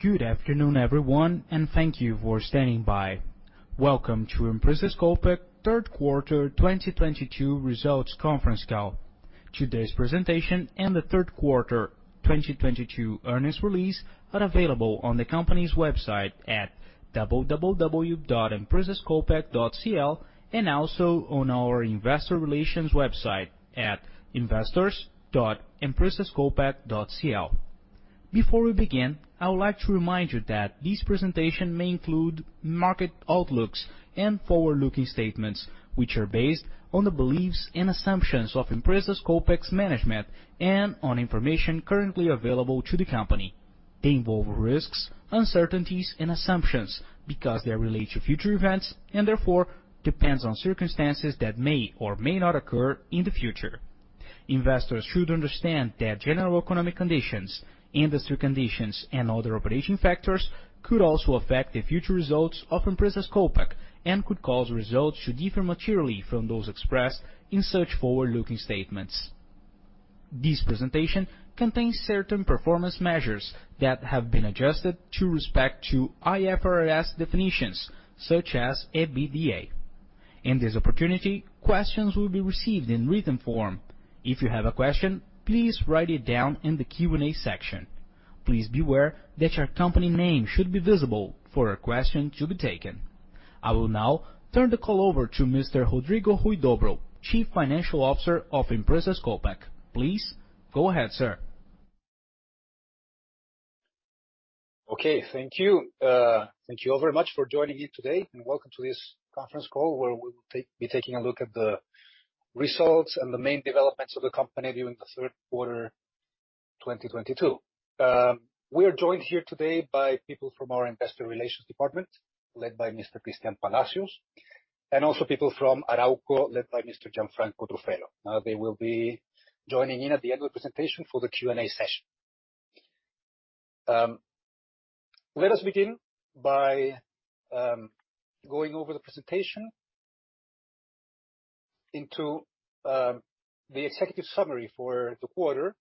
Good afternoon, everyone, and thank you for standing by. Welcome to Empresas Copec Third Quarter 2022 Results Conference Call. Today's presentation and the third quarter 2022 earnings release are available on the company's website at www.empresascopec.cl and also on our investor relations website at investors.empresascopec.cl. Before we begin, I would like to remind you that this presentation may include market outlooks and forward-looking statements, which are based on the beliefs and assumptions of Empresas Copec's management and on information currently available to the company. They involve risks, uncertainties, and assumptions because they are related to future events and, therefore, depends on circumstances that may or may not occur in the future. Investors should understand that general economic conditions, industry conditions, and other operating factors could also affect the future results of Empresas Copec and could cause results to differ materially from those expressed in such forward-looking statements. This presentation contains certain performance measures that have been adjusted to respect to IFRS definitions, such as EBITDA. In this opportunity, questions will be received in written form. If you have a question, please write it down in the Q&A section. Please be aware that your company name should be visible for your question to be taken. I will now turn the call over to Mr. Rodrigo Huidobro, Chief Financial Officer of Empresas Copec. Please go ahead, sir. Okay. Thank you. Thank you all very much for joining in today, and welcome to this conference call where we'll be taking a look at the results and the main developments of the company during the third quarter 2022. We're joined here today by people from our Investor Relations department, led by Mr. Cristián Palacios, and also people from Arauco, led by Mr. Gianfranco Truffello. They will be joining in at the end of the presentation for the Q&A session. Let us begin by going over the presentation into the executive summary for the quarter,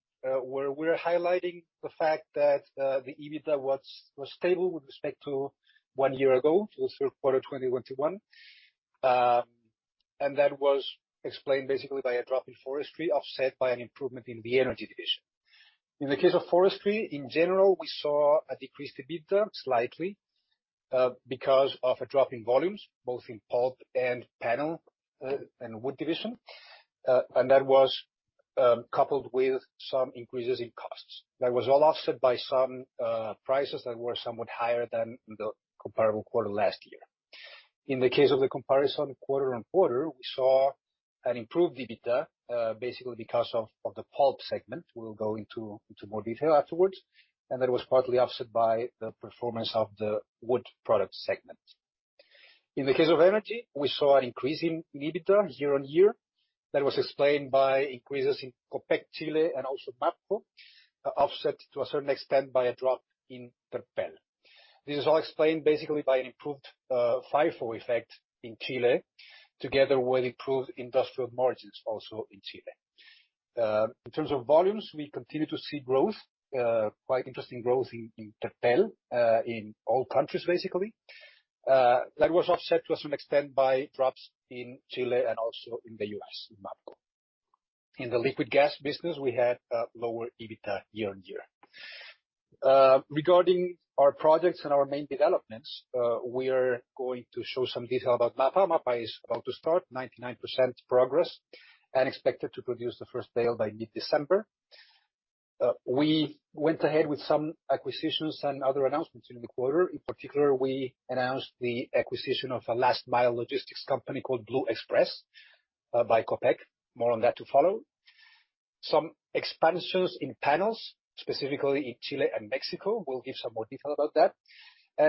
where we're highlighting the fact that the EBITDA was stable with respect to one year ago, to the third quarter 2021. That was explained basically by a drop in forestry, offset by an improvement in the energy division. In the case of forestry, in general, we saw a decreased EBITDA slightly because of a drop in volumes, both in pulp and panel and wood division. That was coupled with some increases in costs. That was all offset by some prices that were somewhat higher than the comparable quarter last year. In the case of the comparison quarter-on-quarter, we saw an improved EBITDA basically because of the pulp segment. We'll go into more detail afterwards. That was partly offset by the performance of the wood product segment. In the case of energy, we saw an increase in EBITDA year-on-year that was explained by increases in Copec Chile and also MAPCO, offset to a certain extent by a drop in Terpel. This is all explained basically by an improved FIFO effect in Chile, together with improved industrial margins also in Chile. In terms of volumes, we continue to see growth, quite interesting growth in Terpel, in all countries basically. That was offset to a certain extent by drops in Chile and also in the U.S., in MAPCO. In the liquid gas business, we had lower EBITDA year-over-year. Regarding our projects and our main developments, we are going to show some detail about MAPA. MAPA is about to start, 99% progress and expected to produce the first bale by mid-December. We went ahead with some acquisitions and other announcements in the quarter. In particular, we announced the acquisition of a last-mile logistics company called Blue Express by Copec. More on that to follow. Some expansions in panels, specifically in Chile and Mexico. We'll give some more detail about that.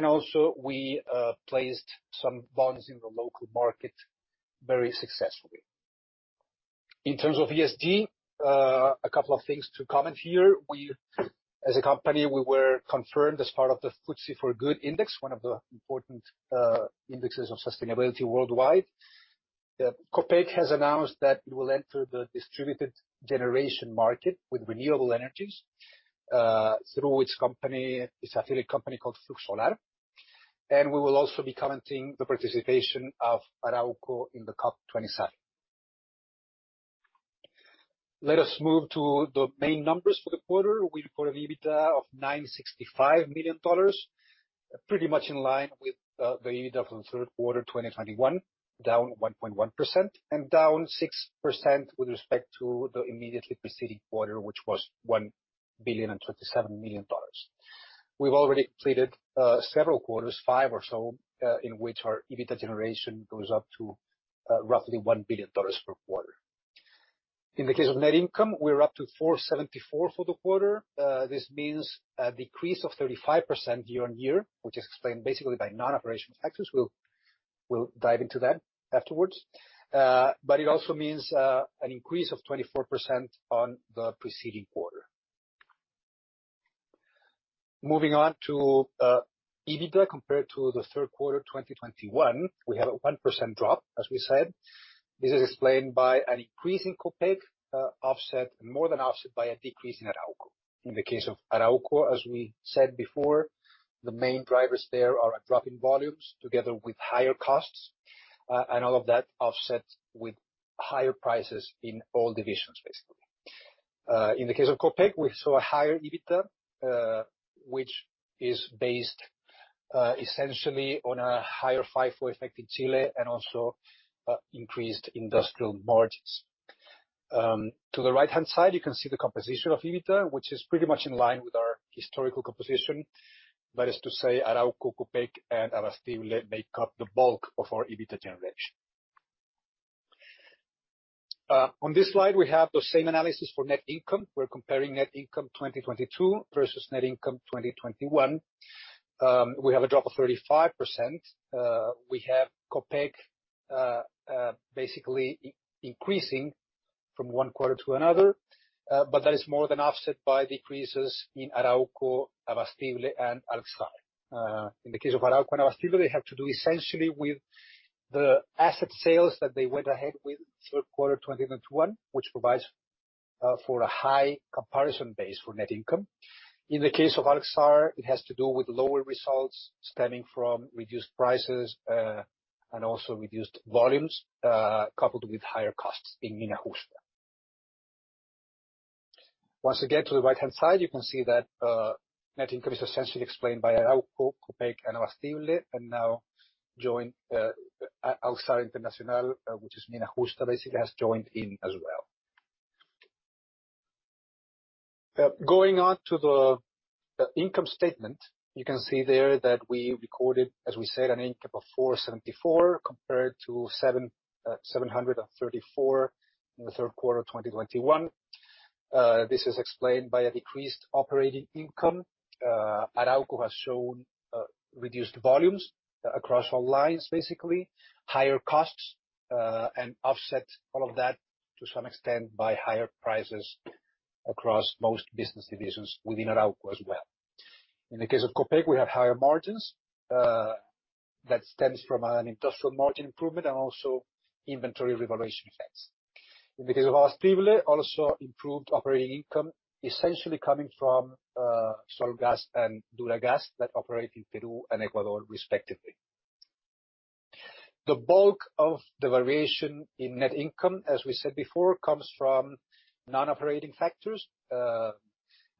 Also we placed some bonds in the local market very successfully. In terms of ESG, a couple of things to comment here. We, as a company, we were confirmed as part of the FTSE4Good Index, one of the important indexes of sustainability worldwide. Copec has announced that it will enter the distributed generation market with renewable energies through its company, its affiliate company called Flux Solar. We will also be commenting the participation of Arauco in the COP 27. Let us move to the main numbers for the quarter. We report an EBITDA of $965 million, pretty much in line with the EBITDA for the third quarter 2021, down 1.1%, and down 6% with respect to the immediately preceding quarter, which was $1,027 million. We've already completed several quarters, five or so, in which our EBITDA generation goes up to roughly $1 billion per quarter. In the case of net income, we're up to $474 for the quarter. This means a decrease of 35% year-over-year, which is explained basically by non-operational factors. We'll dive into that afterwards. It also means an increase of 24% on the preceding quarter. Moving on to EBITDA compared to the third quarter 2021, we have a 1% drop, as we said. This is explained by an increase in Copec, more than offset by a decrease in Arauco. In the case of Arauco, as we said before, the main drivers there are a drop in volumes together with higher costs and all of that offset with higher prices in all divisions, basically. In the case of Copec, we saw a higher EBITDA, which is based essentially on a higher FIFO effect in Chile and also increased industrial margins. To the right-hand side, you can see the composition of EBITDA, which is pretty much in line with our historical composition. That is to say Arauco, Copec, and Abastible make up the bulk of our EBITDA generation. On this slide we have the same analysis for net income. We're comparing net income 2022 versus net income 2021. We have a drop of 35%. We have Copec basically increasing from one quarter to another, but that is more than offset by decreases in Arauco, Abastible, and Alxar. In the case of Arauco and Abastible, they have to do essentially with the asset sales that they went ahead with third quarter 2021, which provides for a high comparison base for net income. In the case of Alxar, it has to do with lower results stemming from reduced prices and also reduced volumes, coupled with higher costs in Mina Justa. Once again, to the right-hand side, you can see that net income is essentially explained by Arauco, Copec, and Abastible, and now joined Alxar Internacional, which is Mina Justa, basically has joined in as well. Going on to the income statement. You can see there that we recorded, as we said, an income of $474 compared to $734 in the third quarter of 2021. This is explained by a decreased operating income. Arauco has shown reduced volumes across all lines, basically, higher costs, and offset all of that to some extent by higher prices across most business divisions within Arauco as well. In the case of Copec, we have higher margins that stems from an industrial margin improvement and also inventory revaluation effects. In the case of Abastible, also improved operating income, essentially coming from Solgas and Duragas that operate in Peru and Ecuador respectively. The bulk of the variation in net income, as we said before, comes from non-operating factors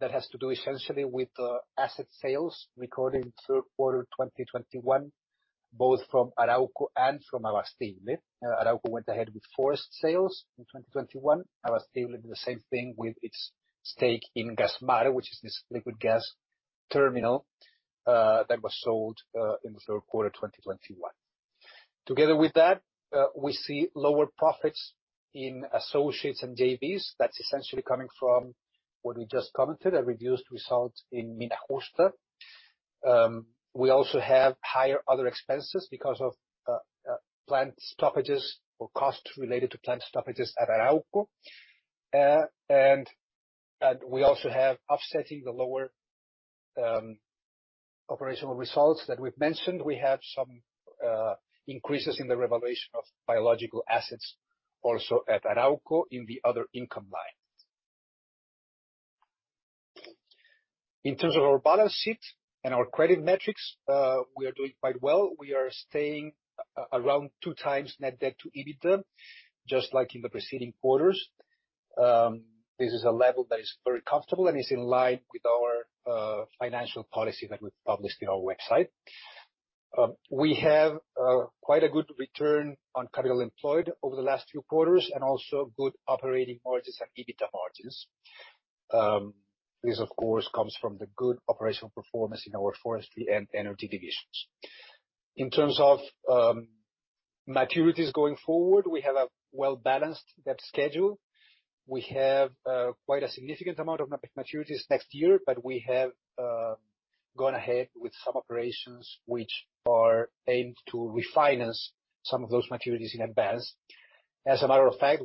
that has to do essentially with the asset sales recorded in third quarter 2021, both from Arauco and from Abastible. Arauco went ahead with forest sales in 2021. Abastible did the same thing with its stake in Gasmar, which is this liquid gas terminal that was sold in the third quarter of 2021. Together with that, we see lower profits in associates and J.V.s. That's essentially coming from what we just commented, a reduced result in Mina Justa. We also have higher other expenses because of plant stoppages or costs related to plant stoppages at Arauco. We also have offsetting the lower operational results that we've mentioned. We have some increases in the revaluation of biological assets, also at Arauco in the other income line. In terms of our balance sheet and our credit metrics, we are doing quite well. We are staying around 2x net debt to EBITDA, just like in the preceding quarters. This is a level that is very comfortable and is in line with our financial policy that we've published in our website. We have quite a good return on capital employed over the last few quarters and also good operating margins and EBITDA margins. This of course comes from the good operational performance in our forestry and energy divisions. In terms of maturities going forward, we have a well-balanced debt schedule. We have quite a significant amount of net maturities next year, but we have gone ahead with some operations which are aimed to refinance some of those maturities in advance. As a matter of fact,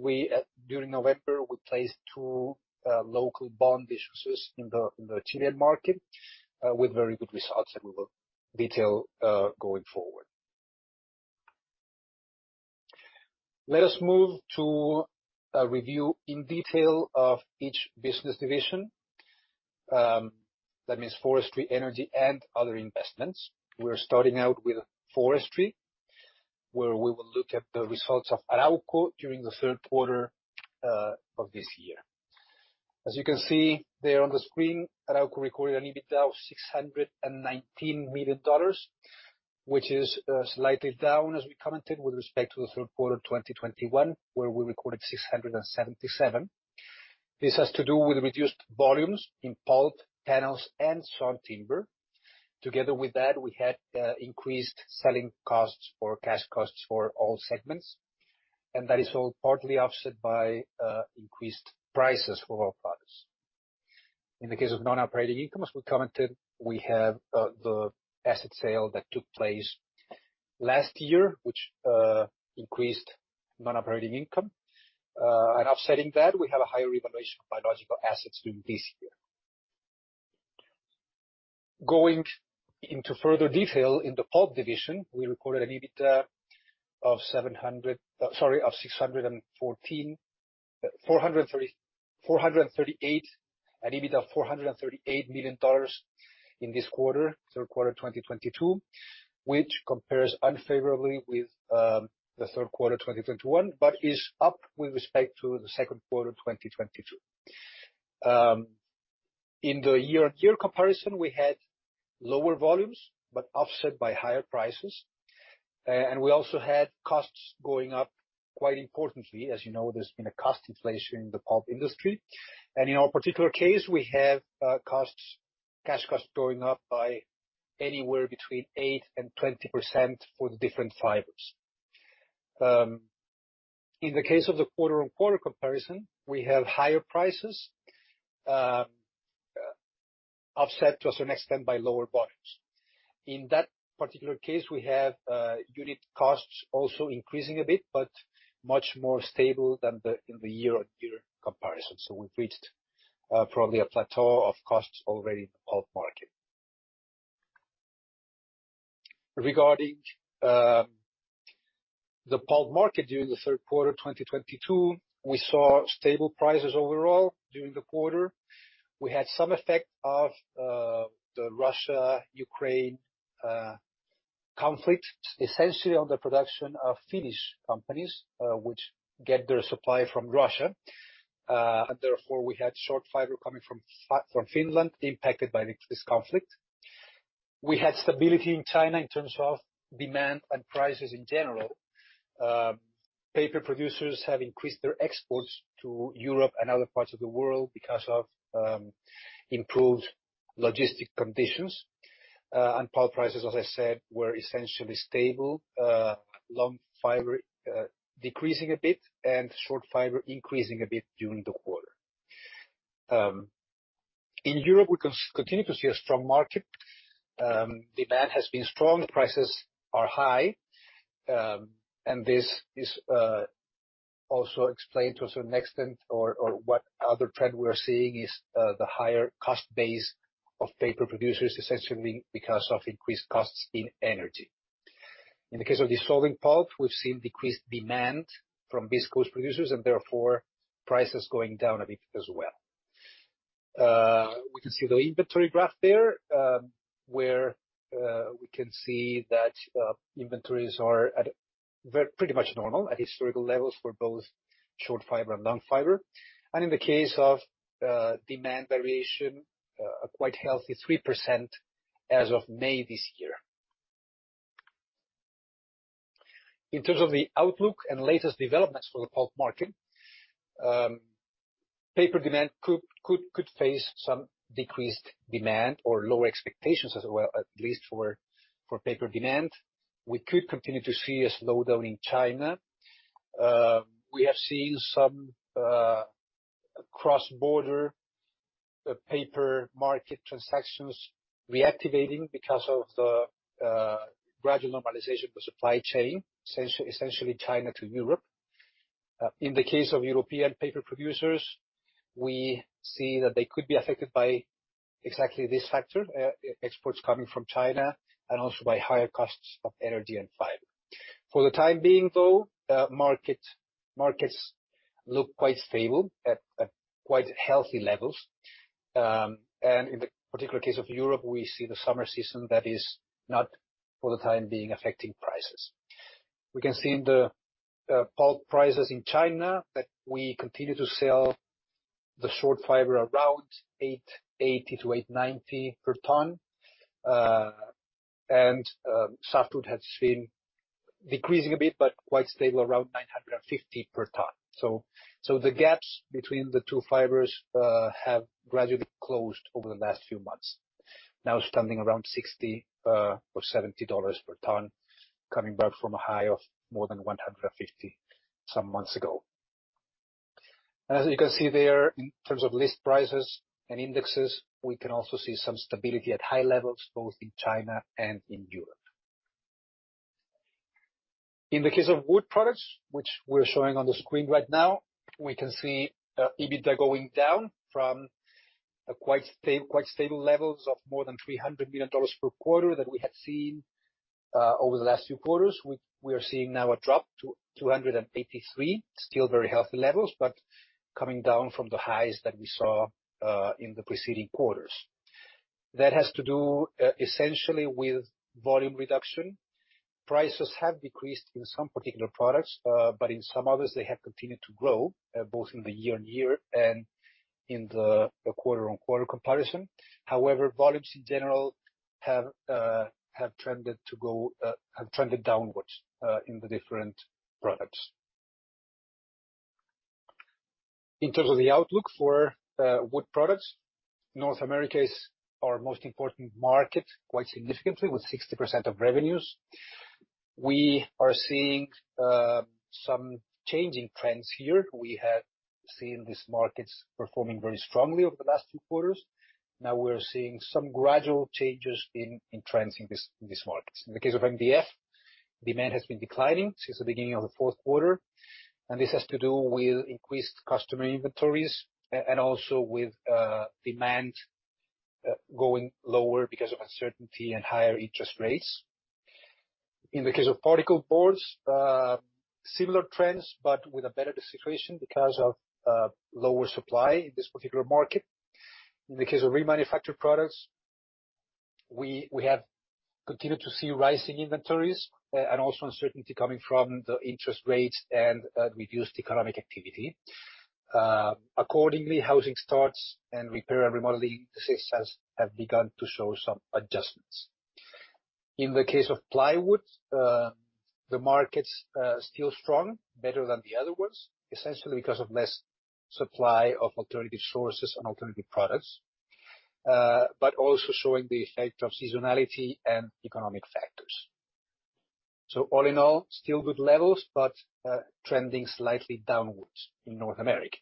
during November, we placed two local bond issues in the Chilean market with very good results that we will detail going forward. Let us move to a review in detail of each business division. That means forestry, energy, and other investments. We're starting out with forestry, where we will look at the results of Arauco during the third quarter of this year. As you can see there on the screen, Arauco recorded an EBITDA of $619 million, which is slightly down, as we commented, with respect to the third quarter of 2021, where we recorded $677. This has to do with reduced volumes in pulp, panels, and sawn timber. Together with that, we had increased selling costs or cash costs for all segments, and that is all partly offset by increased prices for our products. In the case of non-operating income, as we commented, we have the asset sale that took place last year, which increased non-operating income. Offsetting that, we have a higher evaluation of biological assets during this year. Going into further detail in the pulp division, we recorded an EBITDA of $438. An EBITDA of $438 million in this quarter, third quarter of 2022, which compares unfavorably with the third quarter of 2021, but is up with respect to the second quarter of 2022. In the year-on-year comparison, we had lower volumes, but offset by higher prices. We also had costs going up quite importantly. As you know, there's been a cost inflation in the pulp industry. In our particular case, we have cash costs going up by anywhere between 8% and 20% for the different fibers. In the case of the quarter-on-quarter comparison, we have higher prices offset to a certain extent by lower volumes. In that particular case, we have unit costs also increasing a bit, but much more stable than in the year-on-year comparison. We've reached probably a plateau of costs already in the pulp market. Regarding the pulp market during the third quarter of 2022, we saw stable prices overall during the quarter. We had some effect of the Russia-Ukraine conflict, essentially on the production of Finnish companies which get their supply from Russia. Therefore, we had short fiber coming from Finland impacted by this conflict. We had stability in China in terms of demand and prices in general. Paper producers have increased their exports to Europe and other parts of the world because of improved logistic conditions. Pulp prices, as I said, were essentially stable. Long fiber decreasing a bit, and short fiber increasing a bit during the quarter. In Europe, we continue to see a strong market. Demand has been strong, prices are high, and this is also explained to a certain extent, or what other trend we are seeing is the higher cost base of paper producers, essentially because of increased costs in energy. In the case of dissolving pulp, we've seen decreased demand from viscose producers, and therefore prices going down a bit as well. We can see the inventory graph there, where we can see that inventories are at pretty much normal, at historical levels for both short fiber and long fiber. In the case of demand variation, a quite healthy 3% as of May this year. In terms of the outlook and latest developments for the pulp market, paper demand could face some decreased demand or lower expectations as well, at least for paper demand. We could continue to see a slowdown in China. We have seen some cross-border paper market transactions reactivating because of the gradual normalization of the supply chain, essentially China to Europe. In the case of European paper producers, we see that they could be affected by exactly this factor, exports coming from China and also by higher costs of energy and fiber. For the time being, though, markets look quite stable at quite healthy levels. In the particular case of Europe, we see the summer season that is not for the time being affecting prices. We can see in the pulp prices in China that we continue to sell the short fiber around $880-$890 per ton. Softwood has been decreasing a bit, but quite stable around $950 per ton. The gaps between the two fibers have gradually closed over the last few months. Now standing around $60 or $70 per ton, coming back from a high of more than $150 some months ago. As you can see there, in terms of list prices and indexes, we can also see some stability at high levels, both in China and in Europe. In the case of wood products, which we're showing on the screen right now, we can see EBITDA going down from quite stable levels of more than $300 million per quarter that we had seen over the last few quarters. We are seeing now a drop to $283. Still very healthy levels, but coming down from the highs that we saw in the preceding quarters. That has to do essentially with volume reduction. Prices have decreased in some particular products, but in some others, they have continued to grow, both in the year-on-year and in the quarter-on-quarter comparison. However, volumes in general have trended downwards in the different products. In terms of the outlook for wood products, North America is our most important market, quite significantly, with 60% of revenues. We are seeing some changing trends here. Seeing these markets performing very strongly over the last two quarters. Now we're seeing some gradual changes in trends in these markets. In the case of MDF, demand has been declining since the beginning of the fourth quarter, and this has to do with increased customer inventories and also with demand going lower because of uncertainty and higher interest rates. In the case of particleboards, similar trends but with a better situation because of lower supply in this particular market. In the case of remanufactured products, we have continued to see rising inventories and also uncertainty coming from the interest rates and reduced economic activity. Accordingly, housing starts and repair and remodeling indices have begun to show some adjustments. In the case of plywood, the market's still strong, better than the other ones, essentially because of less supply of alternative sources and alternative products, but also showing the effect of seasonality and economic factors. All in all, still good levels, but trending slightly downwards in North America.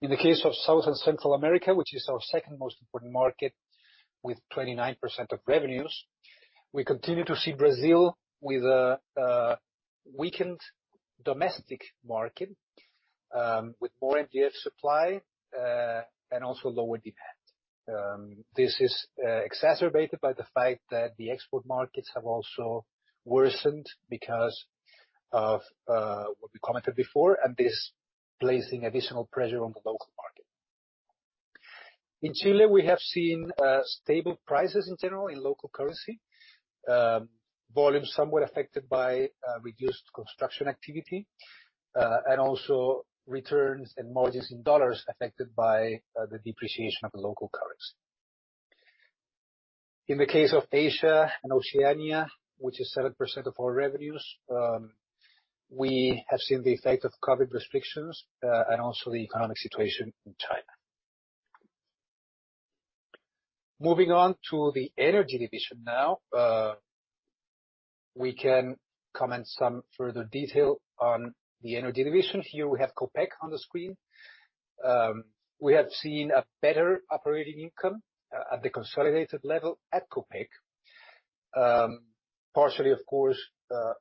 In the case of South and Central America, which is our second most important market with 29% of revenues, we continue to see Brazil with a weakened domestic market with more MDF supply and also lower demand. This is exacerbated by the fact that the export markets have also worsened because of what we commented before, and this placing additional pressure on the local market. In Chile, we have seen stable prices in general in local currency, volumes somewhat affected by reduced construction activity and also returns and margins in dollars affected by the depreciation of the local currency. In the case of Asia and Oceania, which is 7% of our revenues, we have seen the effect of COVID restrictions and also the economic situation in China. Moving on to the Energy division now, we can comment some further detail on the Energy division. Here we have Copec on the screen. We have seen a better operating income at the consolidated level at Copec, partially, of course,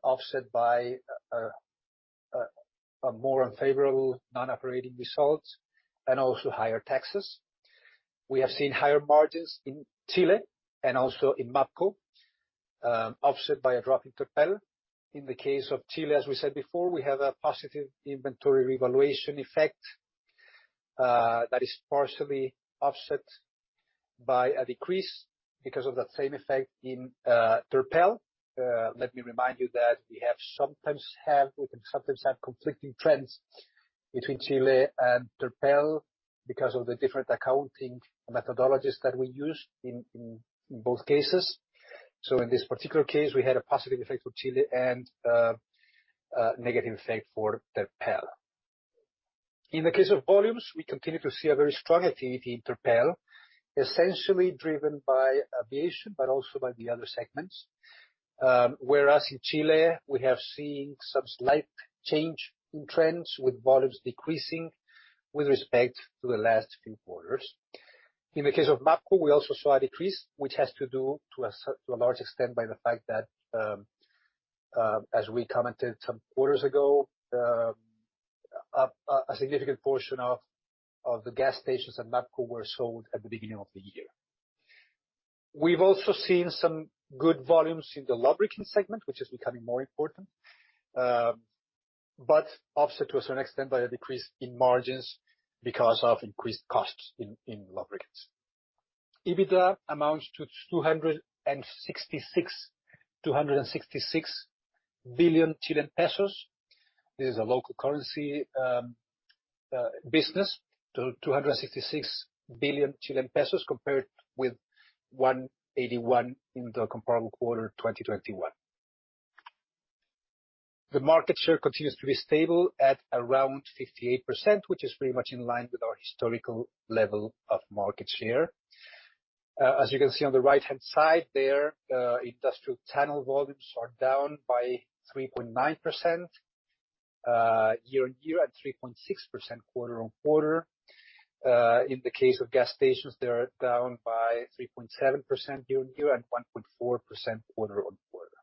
offset by a more unfavorable non-operating results and also higher taxes. We have seen higher margins in Chile and also in MAPCO, offset by a drop in Terpel. In the case of Chile, as we said before, we have a positive inventory revaluation effect that is partially offset by a decrease because of that same effect in Terpel. Let me remind you that we can sometimes have conflicting trends between Chile and Terpel because of the different accounting methodologies that we use in both cases. In this particular case, we had a positive effect for Chile and a negative effect for Terpel. In the case of volumes, we continue to see a very strong activity in Terpel, essentially driven by aviation, but also by the other segments. Whereas in Chile, we have seen some slight change in trends, with volumes decreasing with respect to the last few quarters. In the case of MAPCO, we also saw a decrease, which has to do to a large extent by the fact that, as we commented some quarters ago, a significant portion of the gas stations at MAPCO were sold at the beginning of the year. We've also seen some good volumes in the lubricants segment, which is becoming more important, but offset to a certain extent by a decrease in margins because of increased costs in lubricants. EBITDA amounts to 266 billion Chilean pesos. This is a local currency business. CLP 266 billion, compared with 181 in the comparable quarter 2021. The market share continues to be stable at around 58%, which is pretty much in line with our historical level of market share. As you can see on the right-hand side there, industrial channel volumes are down by 3.9% year-over-year and 3.6% quarter-over-quarter. In the case of gas stations, they are down by 3.7% year-over-year and 1.4% quarter-over-quarter.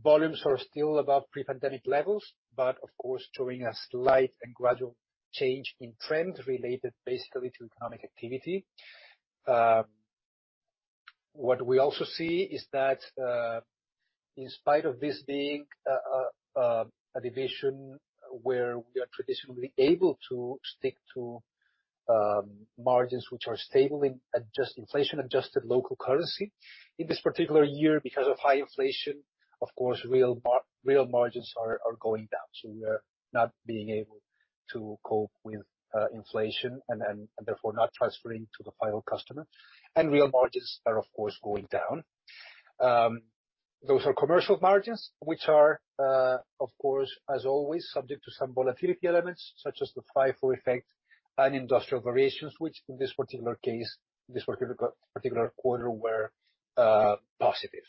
Volumes are still above pre-pandemic levels, but of course, showing a slight and gradual change in trend related basically to economic activity. What we also see is that, in spite of this being a division where we are traditionally able to stick to margins which are stable in inflation-adjusted local currency, in this particular year, because of high inflation, of course, real margins are going down. We are not being able to cope with inflation and therefore not transferring to the final customer. Real margins are, of course, going down. Those are commercial margins, which are, of course, as always, subject to some volatility elements, such as the FIFO effect and industrial variations, which in this particular case, this particular quarter were positive.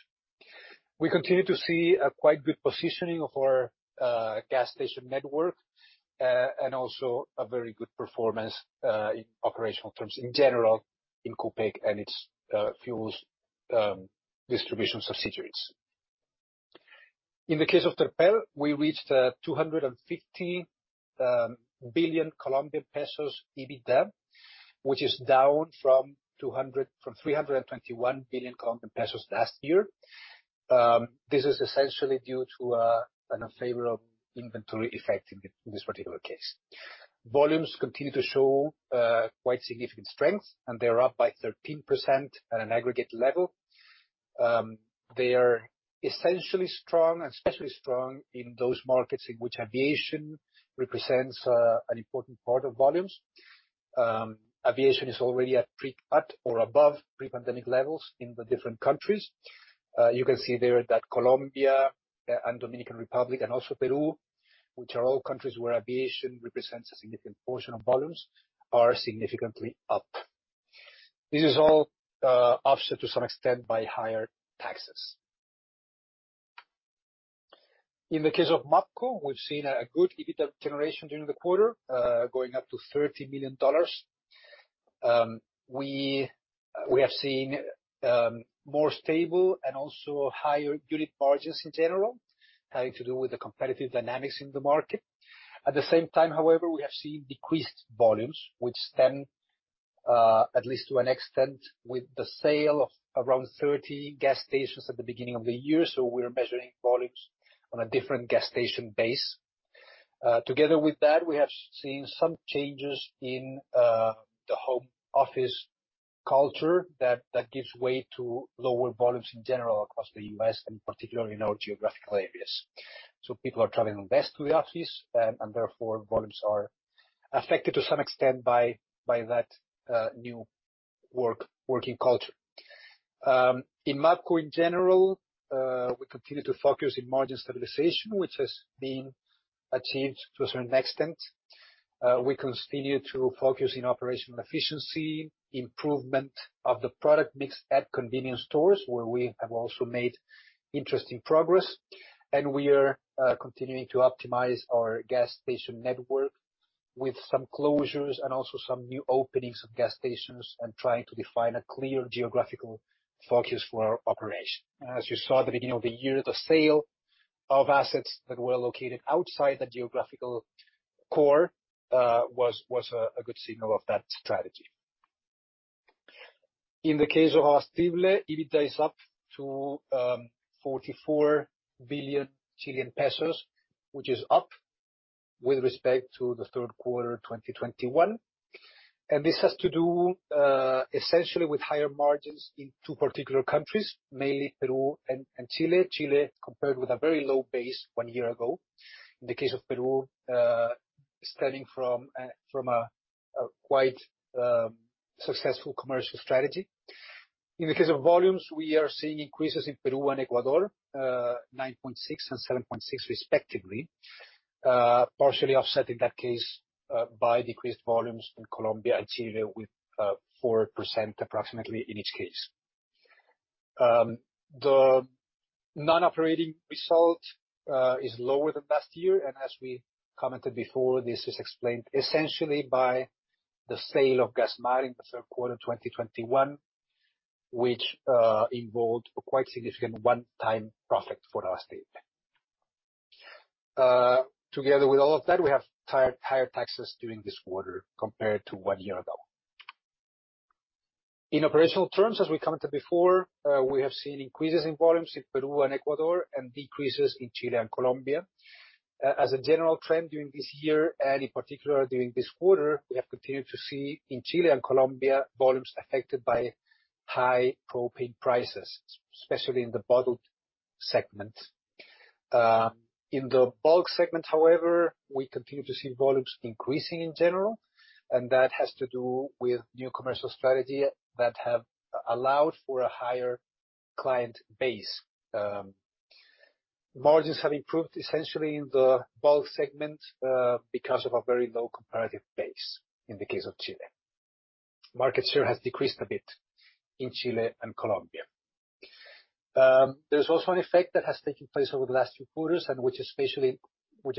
We continue to see a quite good positioning of our gas station network and also a very good performance in operational terms in general in Copec and its fuels distribution subsidiaries. In the case of Terpel, we reached COP 250 billion EBITDA, which is down from COP 321 billion last year. This is essentially due to an unfavorable inventory effect in this particular case. Volumes continue to show quite significant strength, and they are up by 13% at an aggregate level. They are essentially strong, and especially strong in those markets in which aviation represents an important part of volumes. Aviation is already at or above pre-pandemic levels in the different countries. You can see there that Colombia and Dominican Republic, and also Peru, which are all countries where aviation represents a significant portion of volumes, are significantly up. This is all offset to some extent by higher taxes. In the case of MAPCO, we've seen a good EBITDA generation during the quarter, going up to $30 million. We have seen more stable and also higher unit margins in general, having to do with the competitive dynamics in the market. At the same time, however, we have seen decreased volumes, which stem, at least to an extent, with the sale of around 30 gas stations at the beginning of the year. We're measuring volumes on a different gas station base. Together with that, we have seen some changes in the home office culture that gives way to lower volumes in general across the U.S. and particularly in our geographical areas. People are traveling less to the office, and therefore, volumes are affected to some extent by that new working culture. In MAPCO, in general, we continue to focus in margin stabilization, which has been achieved to a certain extent. We continue to focus in operational efficiency, improvement of the product mix at convenience stores, where we have also made interesting progress, and we are continuing to optimize our gas station network with some closures and also some new openings of gas stations and trying to define a clear geographical focus for our operation. As you saw at the beginning of the year, the sale of assets that were located outside the geographical core was a good signal of that strategy. In the case of Abastible, EBITDA is up to 44 billion Chilean pesos, which is up with respect to the third quarter of 2021. This has to do essentially with higher margins in two particular countries, mainly Peru and Chile. Chile compared with a very low base one year ago. In the case of Peru, stemming from a quite successful commercial strategy. In the case of volumes, we are seeing increases in Peru and Ecuador, 9.6% and 7.6% respectively, partially offset in that case by decreased volumes in Colombia and Chile with 4% approximately in each case. The non-operating result is lower than last year, and as we commented before, this is explained essentially by the sale of Gasmar in the third quarter of 2021, which involved a quite significant one-time profit for Abastible. Together with all of that, we have higher taxes during this quarter compared to one year ago. In operational terms, as we commented before, we have seen increases in volumes in Peru and Ecuador and decreases in Chile and Colombia. As a general trend during this year and in particular during this quarter, we have continued to see in Chile and Colombia, volumes affected by high propane prices, especially in the bottled segment. In the bulk segment, however, we continue to see volumes increasing in general, and that has to do with new commercial strategy that have allowed for a higher client base. Margins have improved essentially in the bulk segment because of a very low comparative base in the case of Chile. Market share has decreased a bit in Chile and Colombia. There's also an effect that has taken place over the last few quarters, and which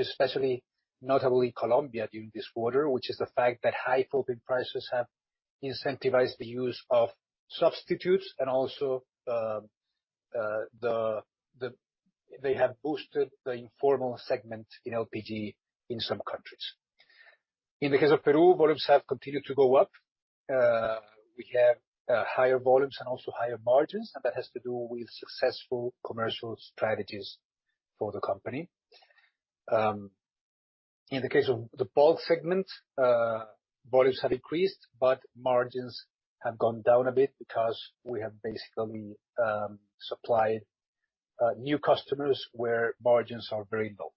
especially notably Colombia during this quarter, which is the fact that high propane prices have incentivized the use of substitutes. They have boosted the informal segment in LPG in some countries. In the case of Peru, volumes have continued to go up. We have higher volumes and also higher margins, and that has to do with successful commercial strategies for the company. In the case of the bulk segment, volumes have increased, but margins have gone down a bit because we have basically supplied new customers where margins are very low.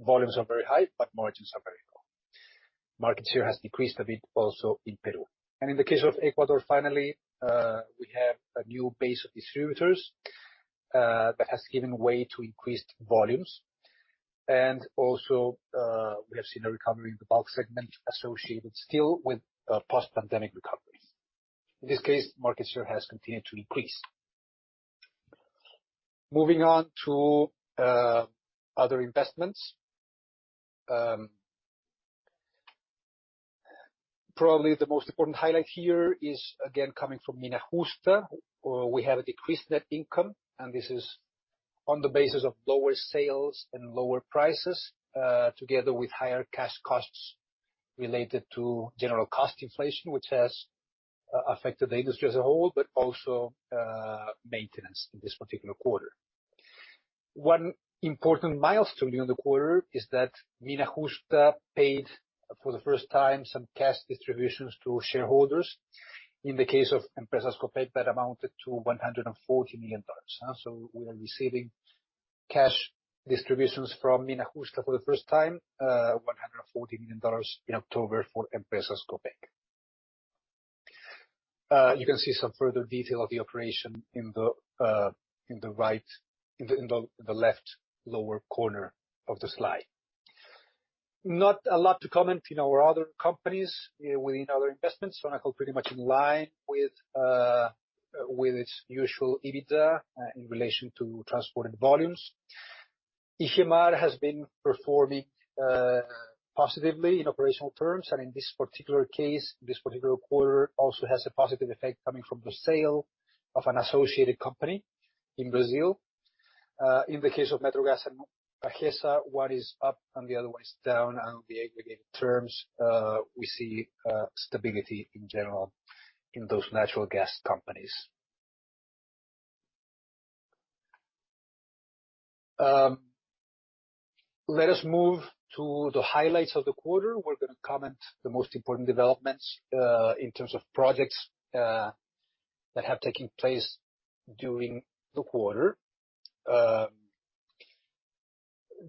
Volumes are very high, but margins are very low. Market share has decreased a bit also in Peru. In the case of Ecuador, finally, we have a new base of distributors that has given way to increased volumes. Also, we have seen a recovery in the bulk segment associated still with post-pandemic recoveries. In this case, market share has continued to increase. Moving on to other investments. Probably the most important highlight here is again, coming from Mina Justa, where we have a decreased net income, and this is on the basis of lower sales and lower prices, together with higher cash costs related to general cost inflation, which has affected the industry as a whole, but also maintenance in this particular quarter. One important milestone during the quarter is that Mina Justa paid for the first time some cash distributions to shareholders. In the case of Empresas Copec, that amounted to $140 million. We are receiving cash distributions from Mina Justa for the first time, $140 million in October for Empresas Copec. You can see some further detail of the operation in the left lower corner of the slide. Not a lot to comment in our other companies within other investments. Sonacol pretty much in line with its usual EBITDA in relation to transported volumes. Igemar has been performing positively in operational terms, and in this particular case, this particular quarter also has a positive effect coming from the sale of an associated company in Brazil. In the case of Metrogas and Agesa, one is up and the other one is down. On the aggregated terms, we see stability in general in those natural gas companies. Let us move to the highlights of the quarter. We're gonna comment the most important developments in terms of projects that have taken place during the quarter.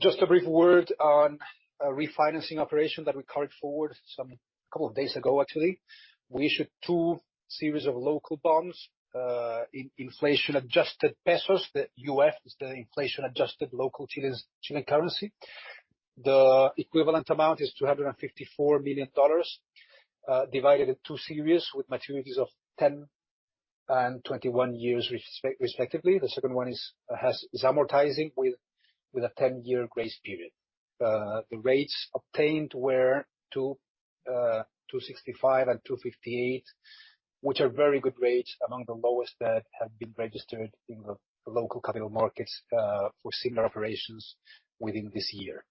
Just a brief word on a refinancing operation that we carried forward some couple of days ago, actually. We issued two series of local bonds in inflation-adjusted pesos. The UF is the inflation-adjusted local Chilean currency. The equivalent amount is $254 million divided in two series with maturities of 10 and 21 years, respectively. The second one is amortizing with a 10-year grace period. The rates obtained were 2.65% and 2.58%, which are very good rates, among the lowest that have been registered in the local capital markets for similar operations within this year.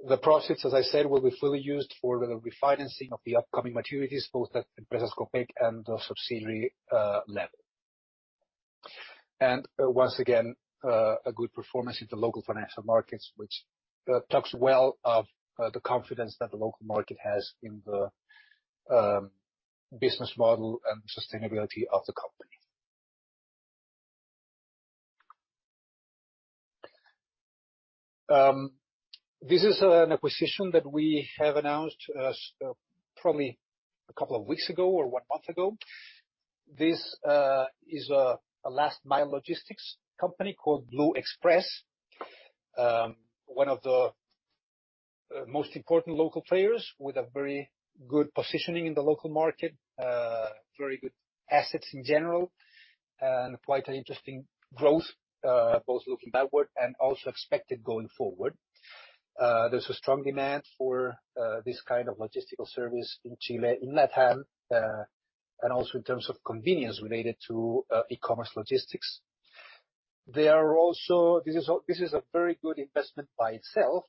The profits, as I said, will be fully used for the refinancing of the upcoming maturities, both at Empresas Copec and the subsidiary level. Once again, a good performance in the local financial markets, which talks well of the confidence that the local market has in the business model and sustainability of the company. This is an acquisition that we have announced probably a couple of weeks ago or one month ago. This is a last-mile logistics company called Blue Express. One of the most important local players with a very good positioning in the local market, very good assets in general, and quite interesting growth, both looking backward and also expected going forward. There's a strong demand for this kind of logistical service in Chile, in LatAm, and also in terms of convenience related to e-commerce logistics. This is a very good investment by itself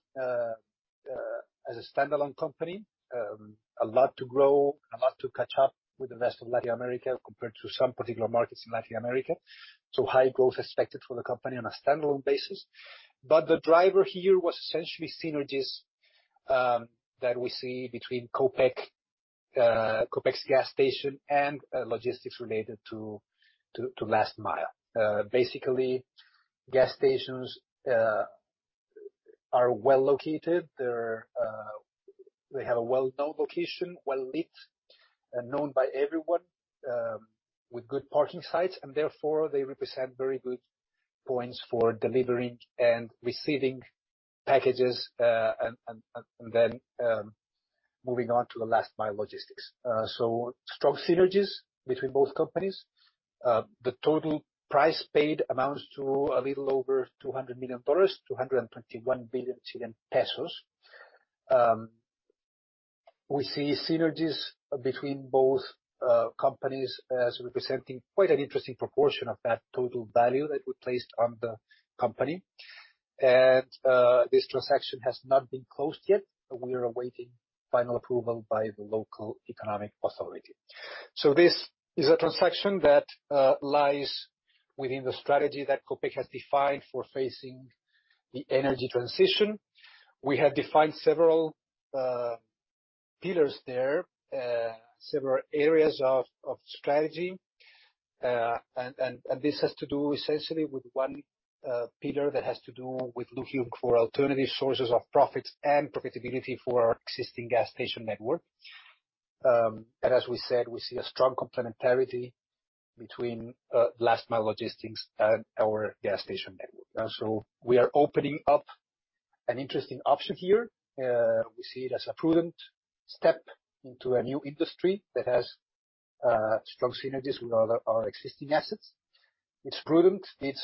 as a standalone company, a lot to grow and a lot to catch up with the rest of Latin America compared to some particular markets in Latin America. High growth expected for the company on a standalone basis. The driver here was essentially synergies that we see between Copec's gas station, and logistics related to last mile. Basically, gas stations are well located. They have a well-known location, well-lit and known by everyone, with good parking sites, and therefore they represent very good points for delivering and receiving packages and then moving on to the last-mile logistics. Strong synergies between both companies. The total price paid amounts to a little over $200 million, 221 billion pesos. We see synergies between both companies as representing quite an interesting proportion of that total value that we placed on the company. This transaction has not been closed yet. We are awaiting final approval by the local economic authority. This is a transaction that lies within the strategy that Copec has defined for facing the energy transition. We have defined several pillars there, several areas of strategy. This has to do essentially with one pillar that has to do with looking for alternative sources of profits and profitability for our existing gas station network. As we said, we see a strong complementarity between last-mile logistics and our gas station network. We are opening up an interesting option here. We see it as a prudent step into a new industry that has strong synergies with our existing assets. It's prudent. It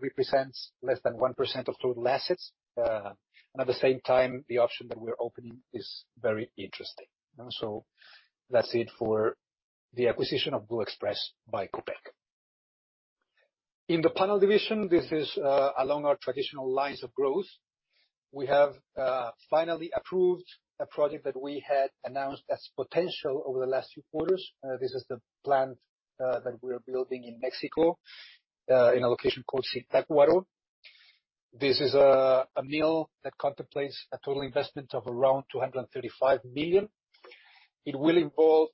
represents less than 1% of total assets. At the same time, the option that we're opening is very interesting. That's it for the acquisition of Blue Express by Copec. In the panel division, this is along our traditional lines of growth. We have finally approved a project that we had announced as potential over the last few quarters. This is the plant that we're building in Mexico in a location called Zitácuaro. This is a mill that contemplates a total investment of around $235 million. It will involve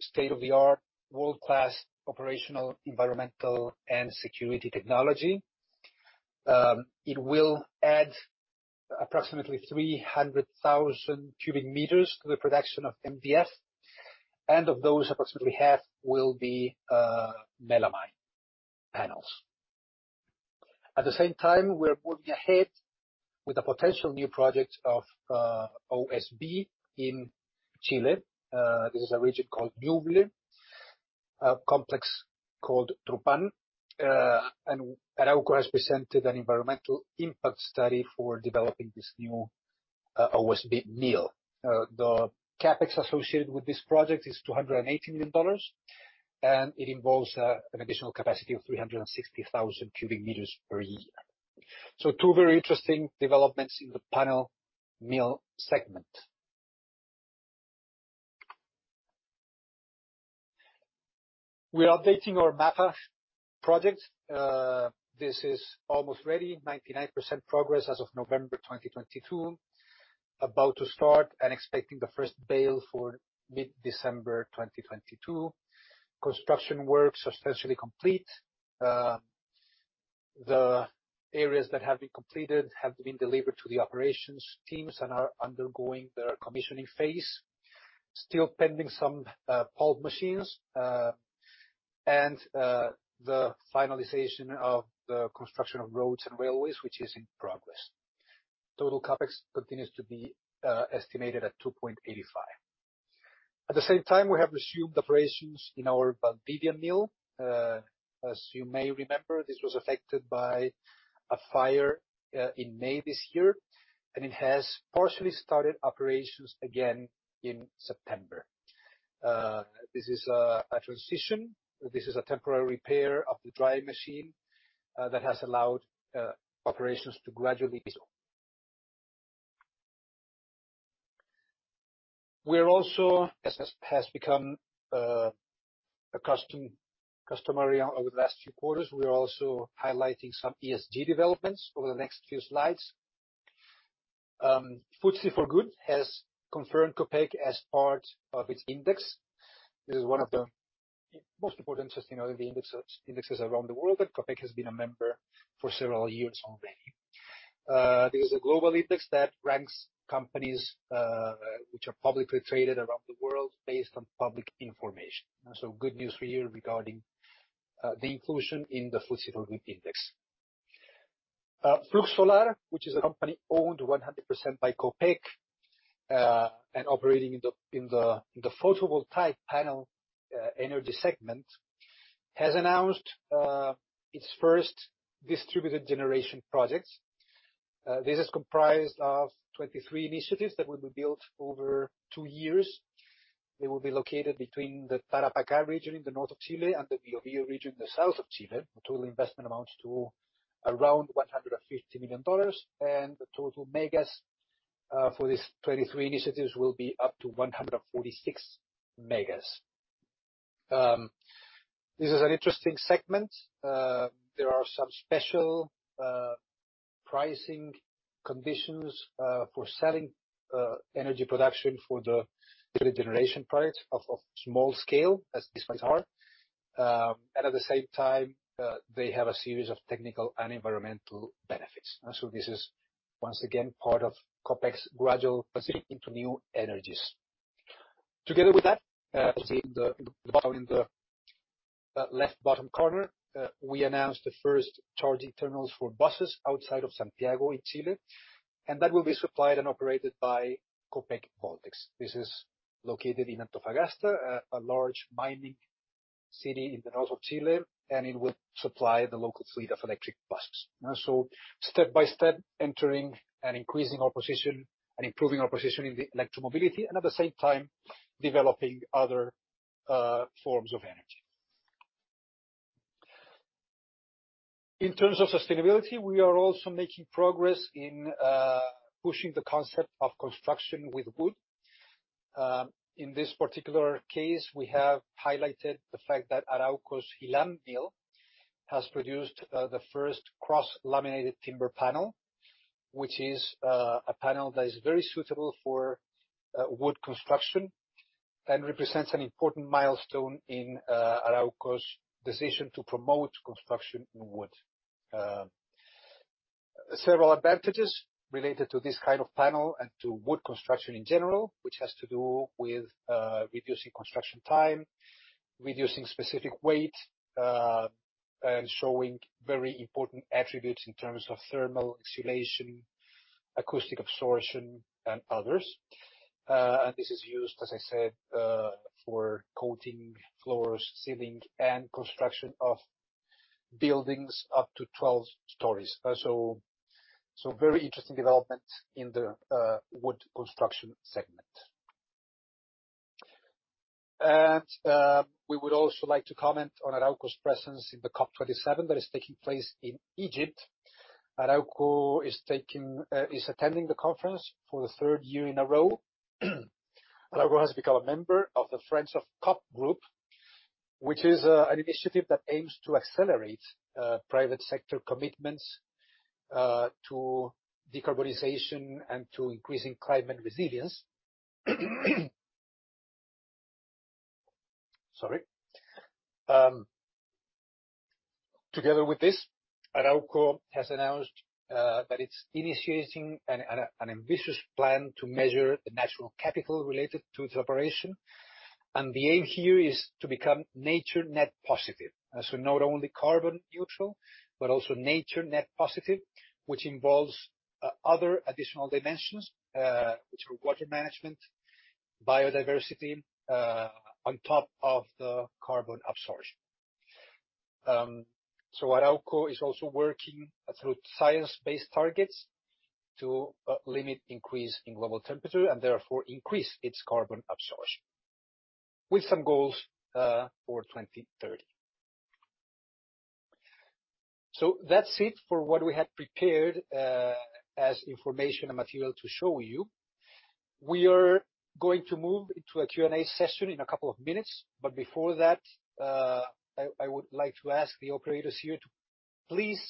state-of-the-art, world-class operational, environmental, and security technology. It will add approximately 300,000 cubic meters to the production of MDF, and of those, approximately half will be melamine panels. At the same time, we're moving ahead with a potential new project of OSB in Chile. This is a region called Ñuble, a complex called Trupán. Arauco has presented an environmental impact study for developing this new OSB mill. The CapEx associated with this project is $280 million, and it involves an additional capacity of 360,000 cubic meters per year. Two very interesting developments in the panel mill segment. We are updating our MAPA project. This is almost ready, 99% progress as of November 2022. About to start and expecting the first bale for mid-December 2022. Construction work substantially complete. The areas that have been completed have been delivered to the operations teams and are undergoing their commissioning phase. Still pending some pulp machines and the finalization of the construction of roads and railways, which is in progress. Total CapEx continues to be estimated at 2.85. At the same time, we have resumed operations in our Valdivia mill. As you may remember, this was affected by a fire in May this year, and it has partially started operations again in September. This is a transition. This is a temporary repair of the drying machine that has allowed operations to gradually resume. We're also, as has become customary over the last few quarters, we are also highlighting some ESG developments over the next few slides. FTSE4Good has confirmed Copec as part of its index. This is one of the most important sustainability indexes around the world that Copec has been a member for several years already. This is a global index that ranks companies which are publicly traded around the world based on public information. Good news for you regarding the inclusion in the FTSE4Good index. Flux Solar, which is a company owned 100% by Copec and operating in the photovoltaic panel energy segment, has announced its first distributed generation projects. This is comprised of 23 initiatives that will be built over two years. They will be located between the Tarapacá region in the north of Chile and the Biobío region in the south of Chile. The total investment amounts to around $150 million, and the total megas for these 23 initiatives will be up to 146 megas. This is an interesting segment. There are some special pricing conditions for selling energy production for the distributed generation projects of small scale, as these ones are. At the same time, they have a series of technical and environmental benefits. This is, once again, part of Copec's gradual pursuit into new energies. Together with that, you'll see in the bottom, in the left bottom corner, we announced the first charging terminals for buses outside of Santiago in Chile, and that will be supplied and operated by Copec Voltex. This is located in Antofagasta, a large mining city in the north of Chile, and it will supply the local fleet of electric buses. Step by step entering and increasing our position and improving our position in the electromobility and at the same time developing other forms of energy. In terms of sustainability, we are also making progress in pushing the concept of construction with wood. In this particular case, we have highlighted the fact that Arauco's Hilam mill has produced the first cross-laminated timber panel, which is a panel that is very suitable for wood construction and represents an important milestone in Arauco's decision to promote construction in wood. Several advantages related to this kind of panel and to wood construction in general, which has to do with reducing construction time, reducing specific weight, and showing very important attributes in terms of thermal insulation, acoustic absorption, and others. This is used, as I said, for coating floors, ceiling, and construction of buildings up to 12 stories. Very interesting development in the wood construction segment. We would also like to comment on Arauco's presence in the COP 27 that is taking place in Egypt. Arauco is attending the conference for the third year in a row. Arauco has become a member of the Friends of COP Group, which is an initiative that aims to accelerate private sector commitments to decarbonization and to increasing climate resilience. Sorry. Together with this, Arauco has announced that it's initiating an ambitious plan to measure the natural capital related to its operation. The aim here is to become nature net positive, not only carbon neutral, but also nature net positive, which involves other additional dimensions, which are water management, biodiversity, on top of the carbon absorption. Arauco is also working through Science Based Targets to limit increase in global temperature and therefore increase its carbon absorption with some goals for 2030. That's it for what we had prepared as information and material to show you. We are going to move into a Q&A session in a couple of minutes, but before that, I would like to ask the operators here to please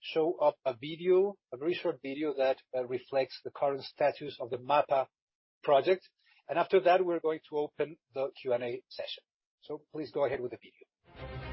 show up a video, a very short video that reflects the current status of the MAPA project. After that, we're going to open the Q&A session. Please go ahead with the video.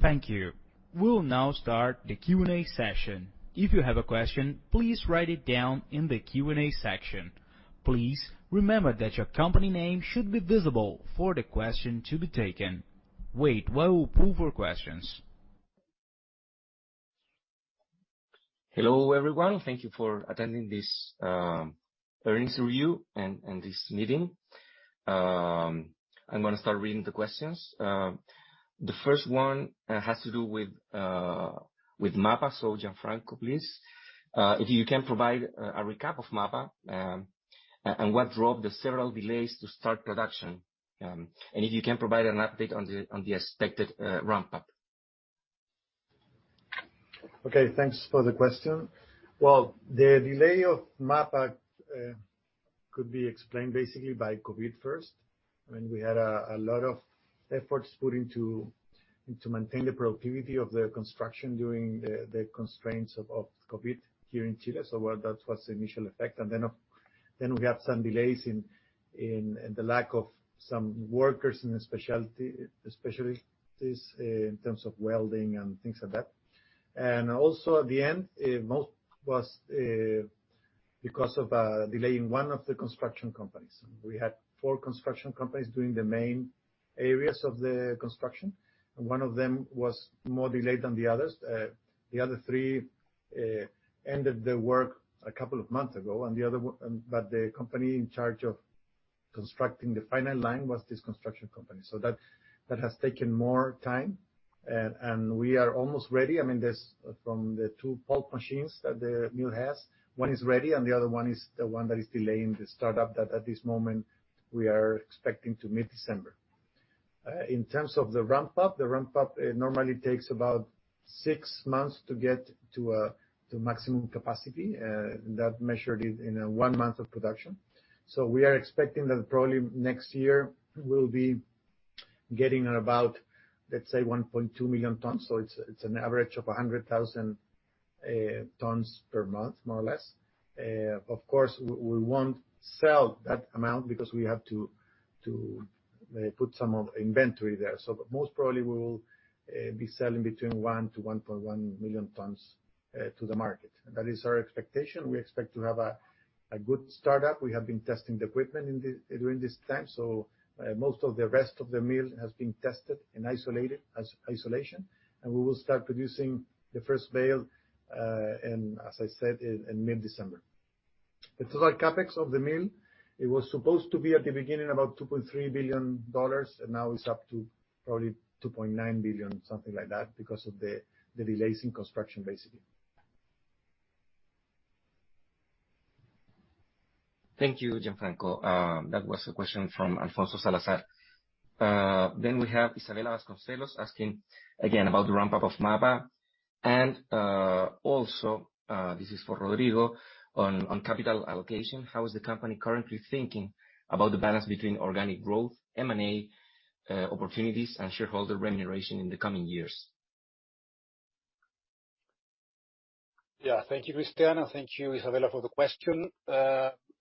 Thank you. We'll now start the Q&A session. If you have a question, please write it down in the Q&A section. Please remember that your company name should be visible for the question to be taken. Wait while we pull for questions. Hello, everyone. Thank you for attending this earnings review and this meeting. I'm gonna start reading the questions. The first one has to do with MAPA. Gianfranco, please, if you can provide a recap of MAPA and what drove the several delays to start production. If you can provide an update on the expected ramp up. Okay, thanks for the question. Well, the delay of MAPA could be explained basically by COVID first. I mean, we had a lot of efforts put into maintain the productivity of the construction during the constraints of COVID here in Chile. That was the initial effect. We have some delays in the lack of some workers and the specialties in terms of welding and things like that. At the end, most was because of a delay in one of the construction companies. We had four construction companies doing the main areas of the construction, and one of them was more delayed than the others. The other three ended the work a couple of months ago. The company in charge of constructing the final line was this construction company. That has taken more time. We are almost ready. I mean, there's from the two pulp machines that the mill has, one is ready, and the other one is the one that is delaying the startup that at this moment we are expecting to mid-December. In terms of the ramp up, it normally takes about Six months to get to maximum capacity, that measured in one month of production. We are expecting that probably next year we'll be getting about, let's say 1.2 million tons. It's an average of 100,000 tons per month, more or less. Of course, we won't sell that amount because we have to put some of inventory there. Most probably we will be selling between 1 million-1.1 million tons to the market. That is our expectation. We expect to have a good startup. We have been testing the equipment during this time. Most of the rest of the mill has been tested and isolated, as isolation, and we will start producing the first bale in, as I said, in mid-December. The total CapEx of the mill, it was supposed to be at the beginning about $2.3 billion, and now it's up to probably $2.9 billion, something like that, because of the delays in construction, basically. Thank you, Gianfranco. That was a question from Alfonso Salazar. We have Isabella Vasconcelos asking again about the ramp-up of MAPA. Also, this is for Rodrigo on capital allocation. How is the company currently thinking about the balance between organic growth, M&A opportunities, and shareholder remuneration in the coming years? Yeah. Thank you, Cristián Palacios. Thank you, Isabella Vasconcelos, for the question.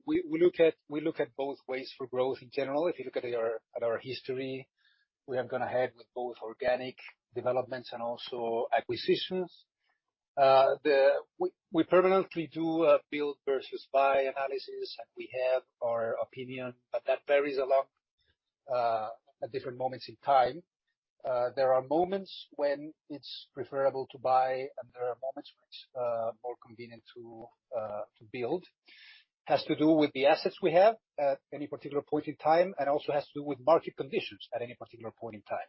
We look at both ways for growth in general. If you look at our history, we have gone ahead with both organic developments and also acquisitions. We permanently do a build versus buy analysis, and we have our opinion, but that varies a lot at different moments in time. There are moments when it's preferable to buy, and there are moments when it's more convenient to build. Has to do with the assets we have at any particular point in time, and also has to do with market conditions at any particular point in time.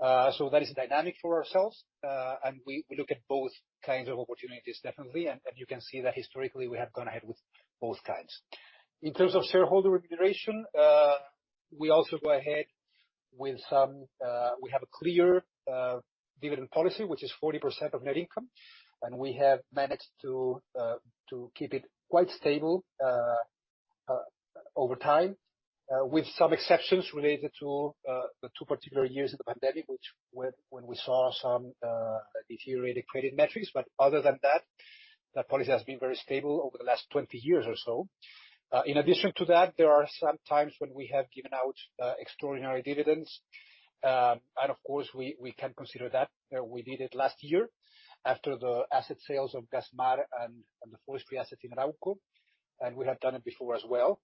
That is dynamic for ourselves, and we look at both kinds of opportunities, definitely, and you can see that historically we have gone ahead with both kinds. In terms of shareholder remuneration, we have a clear dividend policy, which is 40% of net income, and we have managed to keep it quite stable over time, with some exceptions related to the two particular years of the pandemic, which when we saw some deteriorated credit metrics. Other than that policy has been very stable over the last 20 years or so. In addition to that, there are some times when we have given out extraordinary dividends. Of course, we can consider that. We did it last year after the asset sales of Gasmar and the forestry asset in Arauco, and we have done it before as well.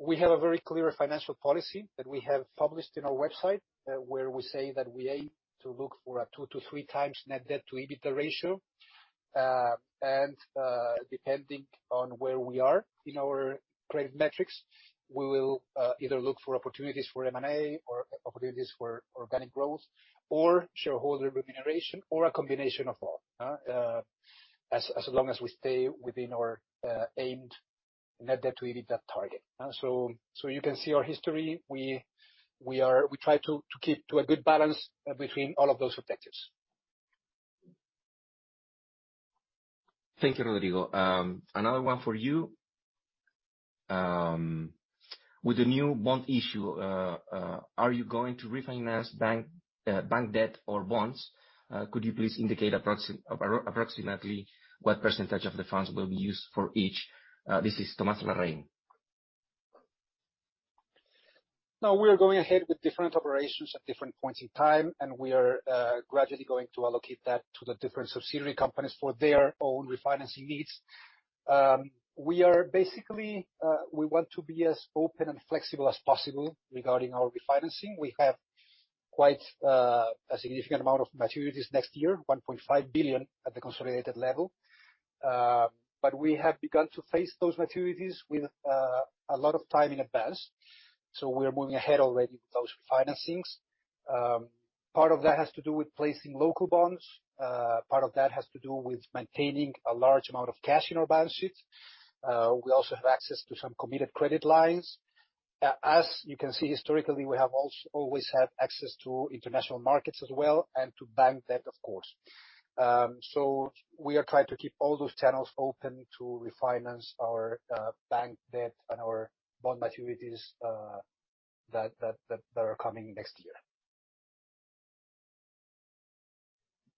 We have a very clear financial policy that we have published in our website where we say that we aim to look for a 2x-3x net debt to EBITDA ratio. Depending on where we are in our credit metrics, we will either look for opportunities for M&A or opportunities for organic growth, or shareholder remuneration, or a combination of all, as long as we stay within our aimed net debt to EBITDA target. You can see our history. We try to keep to a good balance between all of those objectives. Thank you, Rodrigo. Another one for you. With the new bond issue, are you going to refinance bank debt or bonds? Could you please indicate approximately what % of the funds will be used for each? This is Tomás Larraín. No, we are going ahead with different operations at different points in time, and we are gradually going to allocate that to the different subsidiary companies for their own refinancing needs. We want to be as open and flexible as possible regarding our refinancing. We have quite a significant amount of maturities next year, 1.5 billion at the consolidated level. We have begun to face those maturities with a lot of time in advance, so we are moving ahead already with those financings. Part of that has to do with placing local bonds. Part of that has to do with maintaining a large amount of cash in our balance sheets. We also have access to some committed credit lines. As you can see, historically, we have always had access to international markets as well and to bank debt, of course. We are trying to keep all those channels open to refinance our bank debt and our bond maturities that are coming next year.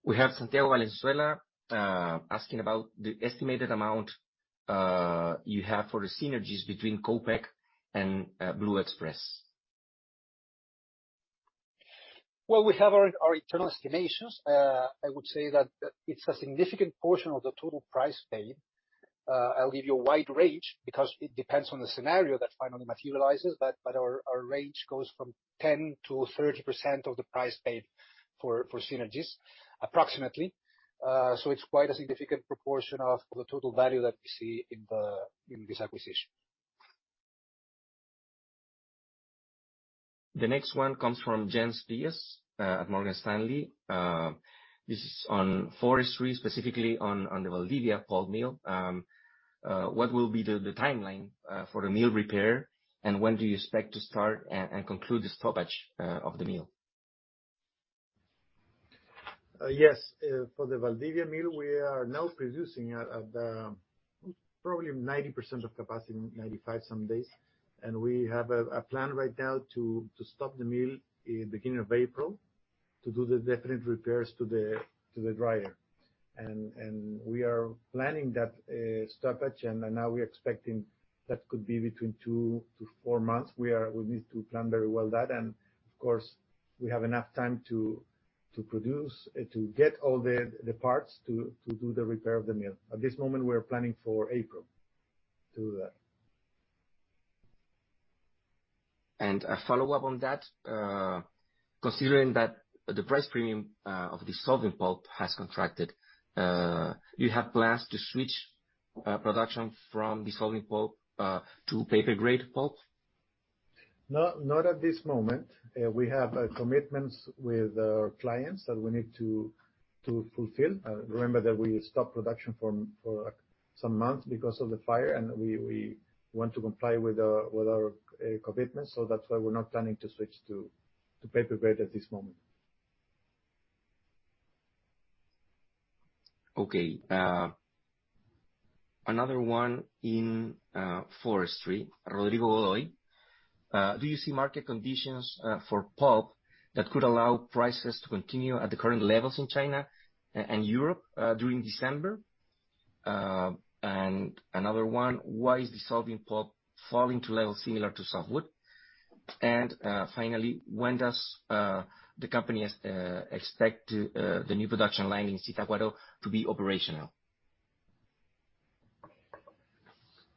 We have Santiago Valenzuela asking about the estimated amount you have for the synergies between Copec and Blue Express. Well, we have our internal estimations. I would say that it's a significant portion of the total price paid. I'll give you a wide range because it depends on the scenario that finally materializes. Our range goes from 10%-30% of the price paid for synergies, approximately. It's quite a significant proportion of the total value that we see in this acquisition. The next one comes from Jens Pieters at Morgan Stanley. This is on forestry, specifically on the Valdivia pulp mill. What will be the timeline for the mill repair, and when do you expect to start and conclude the stoppage of the mill? Yes. For the Valdivia mill, we are now producing at probably 90% of capacity, 95% some days. We have a plan right now to stop the mill in beginning of April to do the definite repairs to the dryer. We are planning that stoppage, and now we're expecting that could be between two to four months. We need to plan very well that. Of course, we have enough time to produce, to get all the parts to do the repair of the mill. At this moment, we're planning for April to do that. A follow-up on that. Considering that the price premium of dissolving pulp has contracted, do you have plans to switch production from dissolving pulp to paper-grade pulp? Not at this moment. We have commitments with our clients that we need to fulfill. Remember that we stopped production for like some months because of the fire, and we want to comply with our commitment. That's why we're not planning to switch to paper grade at this moment. Okay. Another one in forestry. Rodrigo Loyola. Do you see market conditions for pulp that could allow prices to continue at the current levels in China and Europe during December? Another one, why is dissolving pulp falling to levels similar to softwood? Finally, when does the company expect the new production line in Zitácuaro to be operational?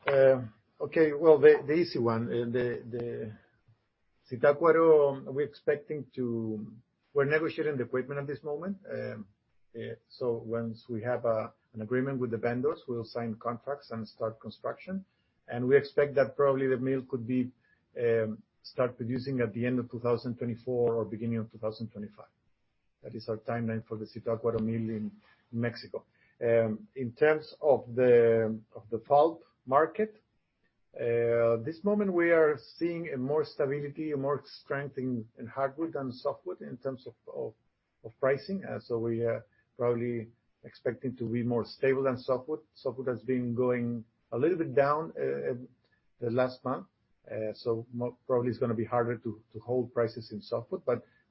Um, okay. Well, the easy one. The Zitácuaro, we're expecting to... We're negotiating the equipment at this moment. So once we have an agreement with the vendors, we'll sign contracts and start construction. And we expect that probably the mill could be, um, start producing at the end of 2024 or beginning of 2025. That is our timeline for the Zitácuaro mill in Mexico. In terms of the, of the pulp market, this moment we are seeing a more stability and more strength in hardwood than softwood in terms of pricing. So we probably expecting to be more stable than softwood. Softwood has been going a little bit down the last month. So more probably it's gonna be harder to hold prices in softwood.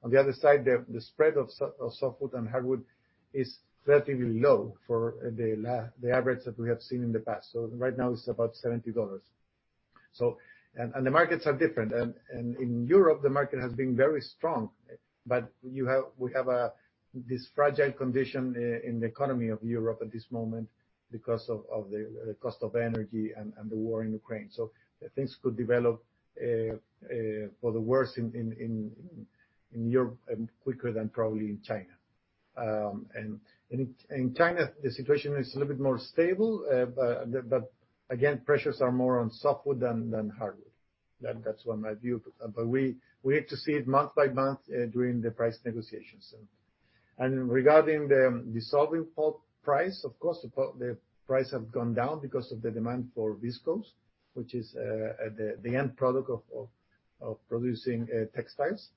On the other side, the spread of softwood and hardwood is relatively low for the average that we have seen in the past. Right now it's about $70. The markets are different. In Europe, the market has been very strong. We have this fragile condition in the economy of Europe at this moment because of the cost of energy and the war in Ukraine. Things could develop for the worse in Europe and quicker than probably in China. In China, the situation is a little bit more stable. Again, pressures are more on softwood than hardwood. That's what my view. We have to see it month by month during the price negotiations. Regarding the dissolving pulp price, of course, the price has gone down because of the demand for viscose, which is the end product of producing textiles.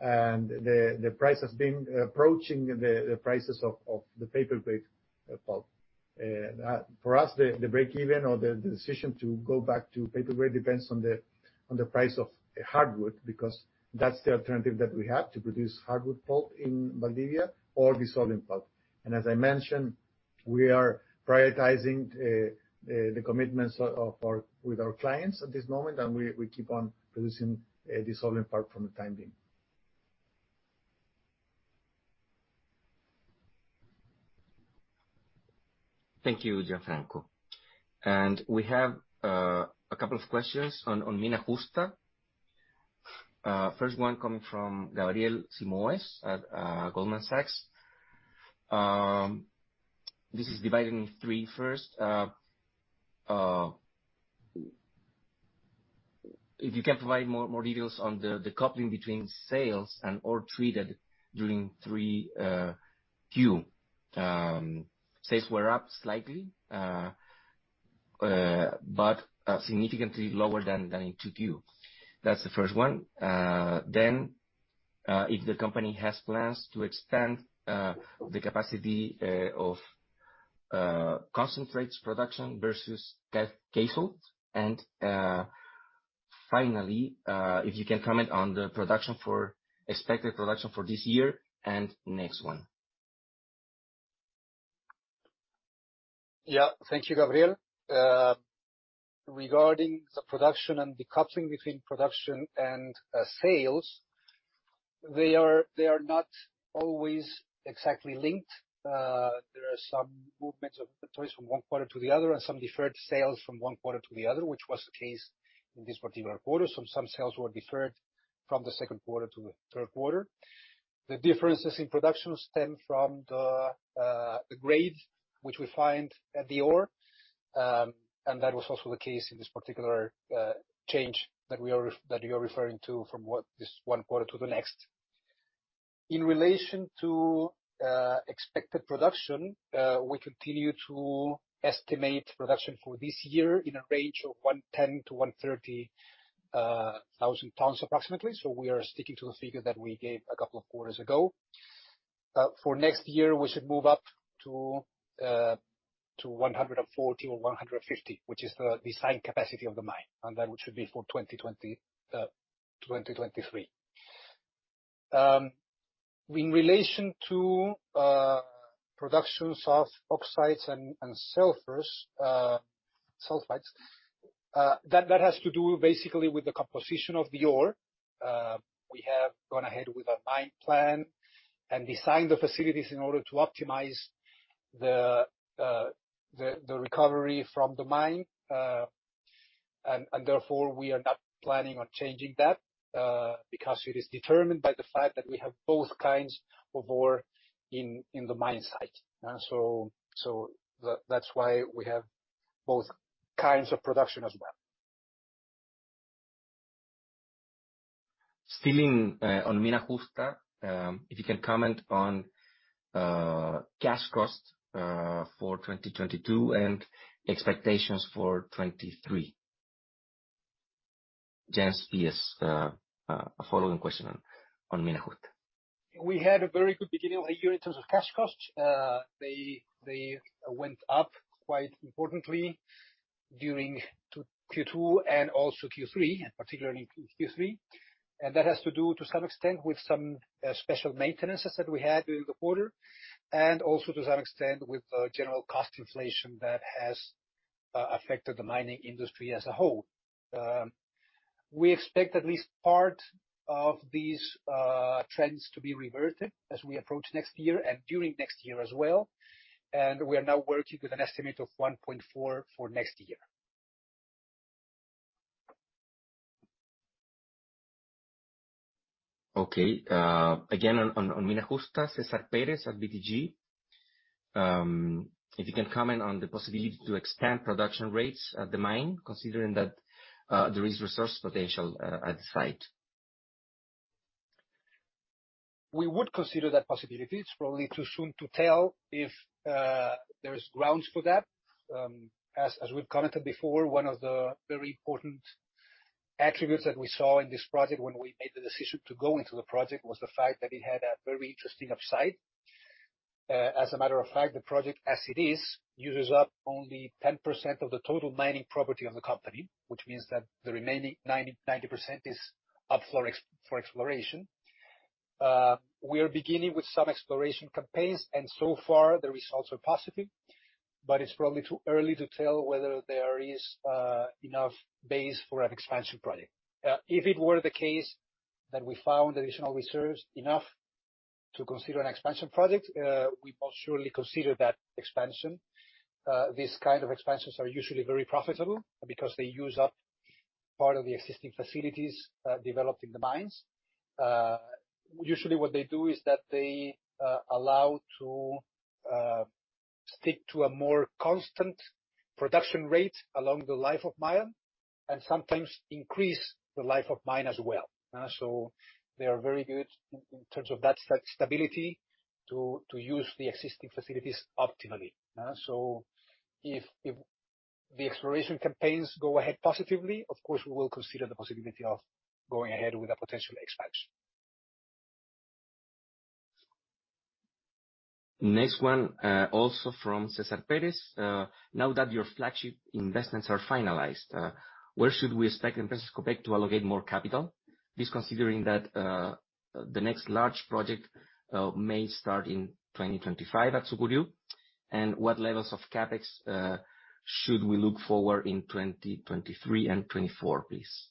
The price has been approaching the prices of the paper-grade pulp. For us, the breakeven or the decision to go back to paper grade depends on the price of hardwood, because that's the alternative that we have to produce hardwood pulp in Valdivia or dissolving pulp. As I mentioned, we are prioritizing the commitments with our clients at this moment, and we keep on producing dissolving pulp for the time being. Thank you, Gianfranco. We have a couple of questions on Mina Justa. First one coming from Gabriel Simoes at Goldman Sachs. This is divided in three. First, if you can provide more details on the coupling between sales and ore treated during 3Q. Sales were up slightly, but significantly lo wer than in 2Q. That's the first one. If the company has plans to extend the capacity of concentrates production versus cathodes. Finally, if you can comment on the expected production for this year and next one. Yeah. Thank you, Gabriel. Regarding the production and the coupling between production and sales, they are not always exactly linked. There are some movements of inventories from one quarter to the other and some deferred sales from one quarter to the other, which was the case in this particular quarter. Some sales were deferred from the second quarter to the third quarter. The differences in production stem from the grade which we find at the ore. That was also the case in this particular change that you're referring to from one quarter to the next. In relation to expected production, we continue to estimate production for this year in a range of 110,000 tons-130,000 tons approximately. We are sticking to the figure that we gave a couple of quarters ago. For next year, we should move up to 140 or 150, which is the site capacity of the mine, and that which should be for 2023. In relation to productions of oxides and sulfides, that has to do basically with the composition of the ore. We have gone ahead with a mine plan and designed the facilities in order to optimize the recovery from the mine. Therefore, we are not planning on changing that because it is determined by the fact that we have both kinds of ore in the mine site. That's why we have both kinds of production as well. Still on Mina Justa, if you can comment on cash costs for 2022 and expectations for 2023. Jens, please, a following question on Mina Justa. We had a very good beginning of the year in terms of cash costs. They went up quite importantly during Q2 and also Q3, and particularly Q3. That has to do, to some extent, with some special maintenances that we had during the quarter, and also to some extent, with the general cost inflation that has affected the mining industry as a whole. We expect at least part of these trends to be reverted as we approach next year and during next year as well. We are now working with an estimate of $1.4 for next year. Okay. Again, on Mina Justa, César Pérez-Novoa at BTG. If you can comment on the possibility to expand production rates at the mine, considering that there is resource potential at the site. We would consider that possibility. It's probably too soon to tell if there's grounds for that. As we've commented before, one of the very important attributes that we saw in this project when we made the decision to go into the project was the fact that it had a very interesting upside. As a matter of fact, the project as it is, uses up only 10% of the total mining property of the company, which means that the remaining 90% is up for exploration. We are beginning with some exploration campaigns, and so far, the results are positive, but it's probably too early to tell whether there is enough base for an expansion project. If it were the case that we found additional reserves enough to consider an expansion project, we will surely consider that expansion. These kind of expansions are usually very profitable because they use up part of the existing facilities developed in the mines. Usually what they do is that they allow to stick to a more constant production rate along the life of mine and sometimes increase the life of mine as well. They are very good in terms of that stability to use the existing facilities optimally. If the exploration campaigns go ahead positively, of course, we will consider the possibility of going ahead with a potential expansion. Next one, also from César Pérez. Now that your flagship investments are finalized, where should we expect Empresas Copec to allocate more capital, please, considering that the next large project may start in 2025 at Sucuriú? What levels of CapEx should we look forward in 2023 and 2024, please?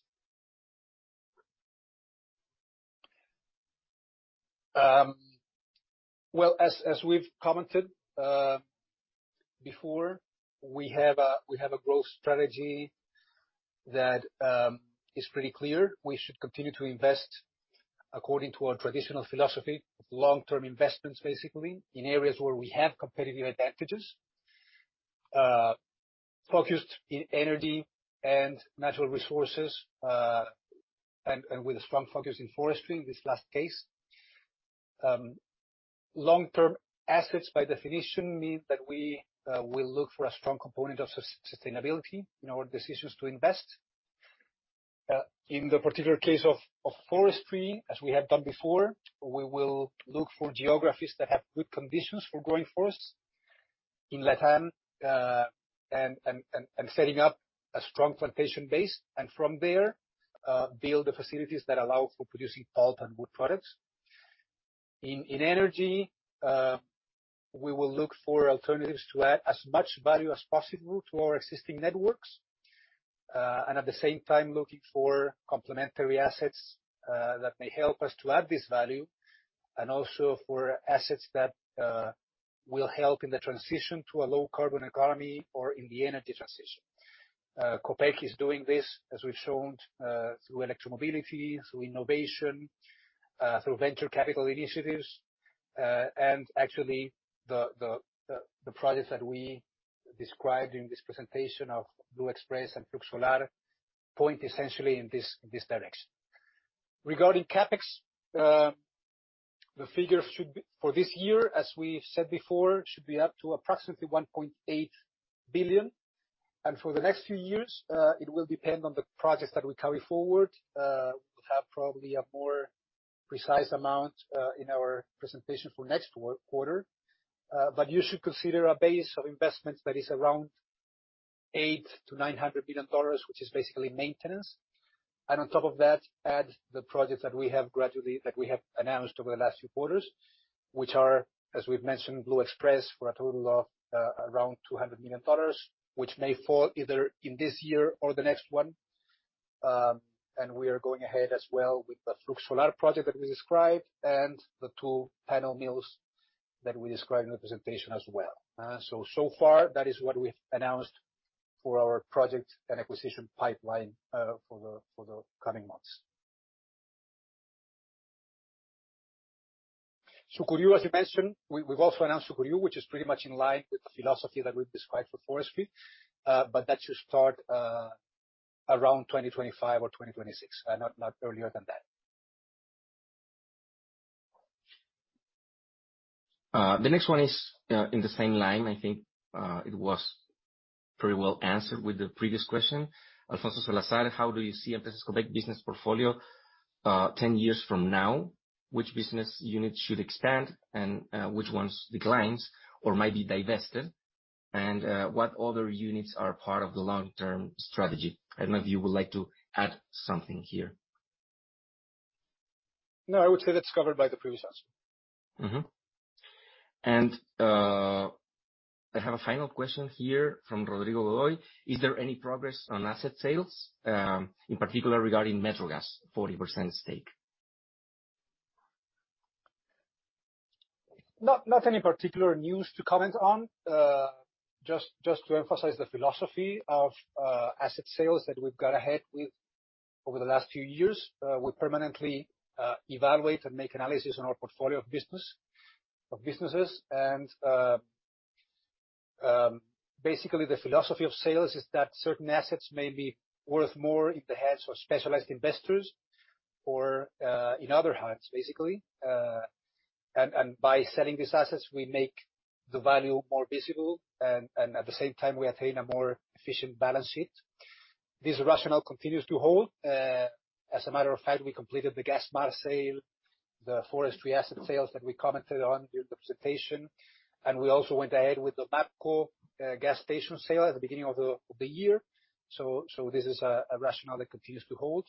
Well, as we've commented before, we have a growth strategy that is pretty clear. We should continue to invest according to our traditional philosophy, long-term investments, basically, in areas where we have competitive advantages, focused in energy and natural resources, and with a strong focus in forestry, this last case. Long-term assets, by definition, mean that we will look for a strong component of sustainability in our decisions to invest. In the particular case of forestry, as we have done before, we will look for geographies that have good conditions for growing forests in LATAM and setting up a strong plantation base, and from there, build the facilities that allow for producing pulp and wood products. In energy, we will look for alternatives to add as much value as possible to our existing networks, and at the same time looking for complementary assets that may help us to add this value, and also for assets that will help in the transition to a low-carbon economy or in the energy transition. Copec is doing this, as we've shown, through electromobility, through innovation, through venture capital initiatives. Actually, the projects that we described during this presentation of Blue Express and Flux Solar point essentially in this direction. Regarding CapEx, the figure for this year, as we've said before, should be up to approximately $1.8 billion. For the next few years, it will depend on the projects that we carry forward. We'll have probably a more precise amount in our presentation for next quarter. You should consider a base of investments that is around $8 million-$900 million, which is basically maintenance. On top of that, add the projects that we have announced over the last few quarters, which are, as we've mentioned, Blue Express for a total of around $200 million, which may fall either in this year or the next one. We are going ahead as well with the Flux Solar project that we described, and the two panel mills that we described in the presentation as well. So far that is what we've announced for our project and acquisition pipeline for the coming months. Sucuriú, as you mentioned, we've also announced Sucuriú, which is pretty much in line with the philosophy that we've described for forestry. That should start around 2025 or 2026, not earlier than that. The next one is in the same line. I think it was pretty well answered with the previous question. Alfonso Salazar, how do you see Empresas Copec business portfolio 10 years from now? Which business unit should expand and which ones declines or might be divested? What other units are part of the long-term strategy? I don't know if you would like to add something here. No, I would say that's covered by the previous answer. I have a final question here from Rodrigo Loyola. Is there any progress on asset sales, in particular regarding Metrogas 40% stake? Not any particular news to comment on. Just to emphasize the philosophy of asset sales that we've got ahead with over the last few years. We permanently evaluate and make analysis on our portfolio of businesses. Basically the philosophy of sales is that certain assets may be worth more in the hands of specialized investors or in other hands, basically. By selling these assets, we make the value more visible, and at the same time, we attain a more efficient balance sheet. This rationale continues to hold. As a matter of fact, we completed the Gasmar sale, the forestry asset sales that we commented on during the presentation, and we also went ahead with the MAPCO gas station sale at the beginning of the year. This is a rationale that continues to hold.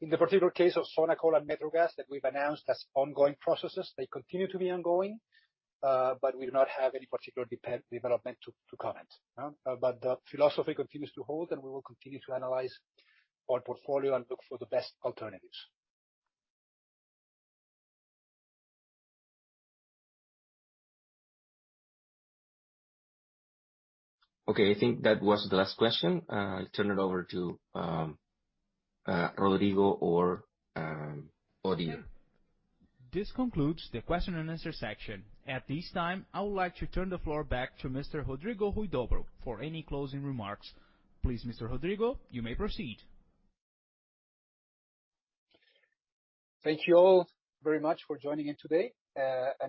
In the particular case of Sonacol and Metrogas that we've announced as ongoing processes, they continue to be ongoing, but we do not have any particular development to comment. The philosophy continues to hold, and we will continue to analyze our portfolio and look for the best alternatives. Okay. I think that was the last question. I turn it over to Rodrigo or Odile. This concludes the question and answer section. At this time, I would like to turn the floor back to Mr. Rodrigo Huidobro for any closing remarks. Please, Mr. Rodrigo, you may proceed. Thank you all very much for joining in today.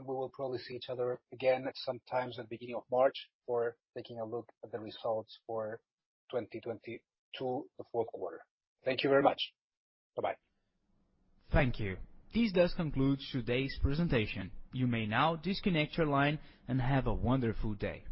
We will probably see each other again sometime at the beginning of March for taking a look at the results for 2022, the fourth quarter. Thank you very much. Bye-bye. Thank you. This does conclude today's presentation. You may now disconnect your line and have a wonderful day.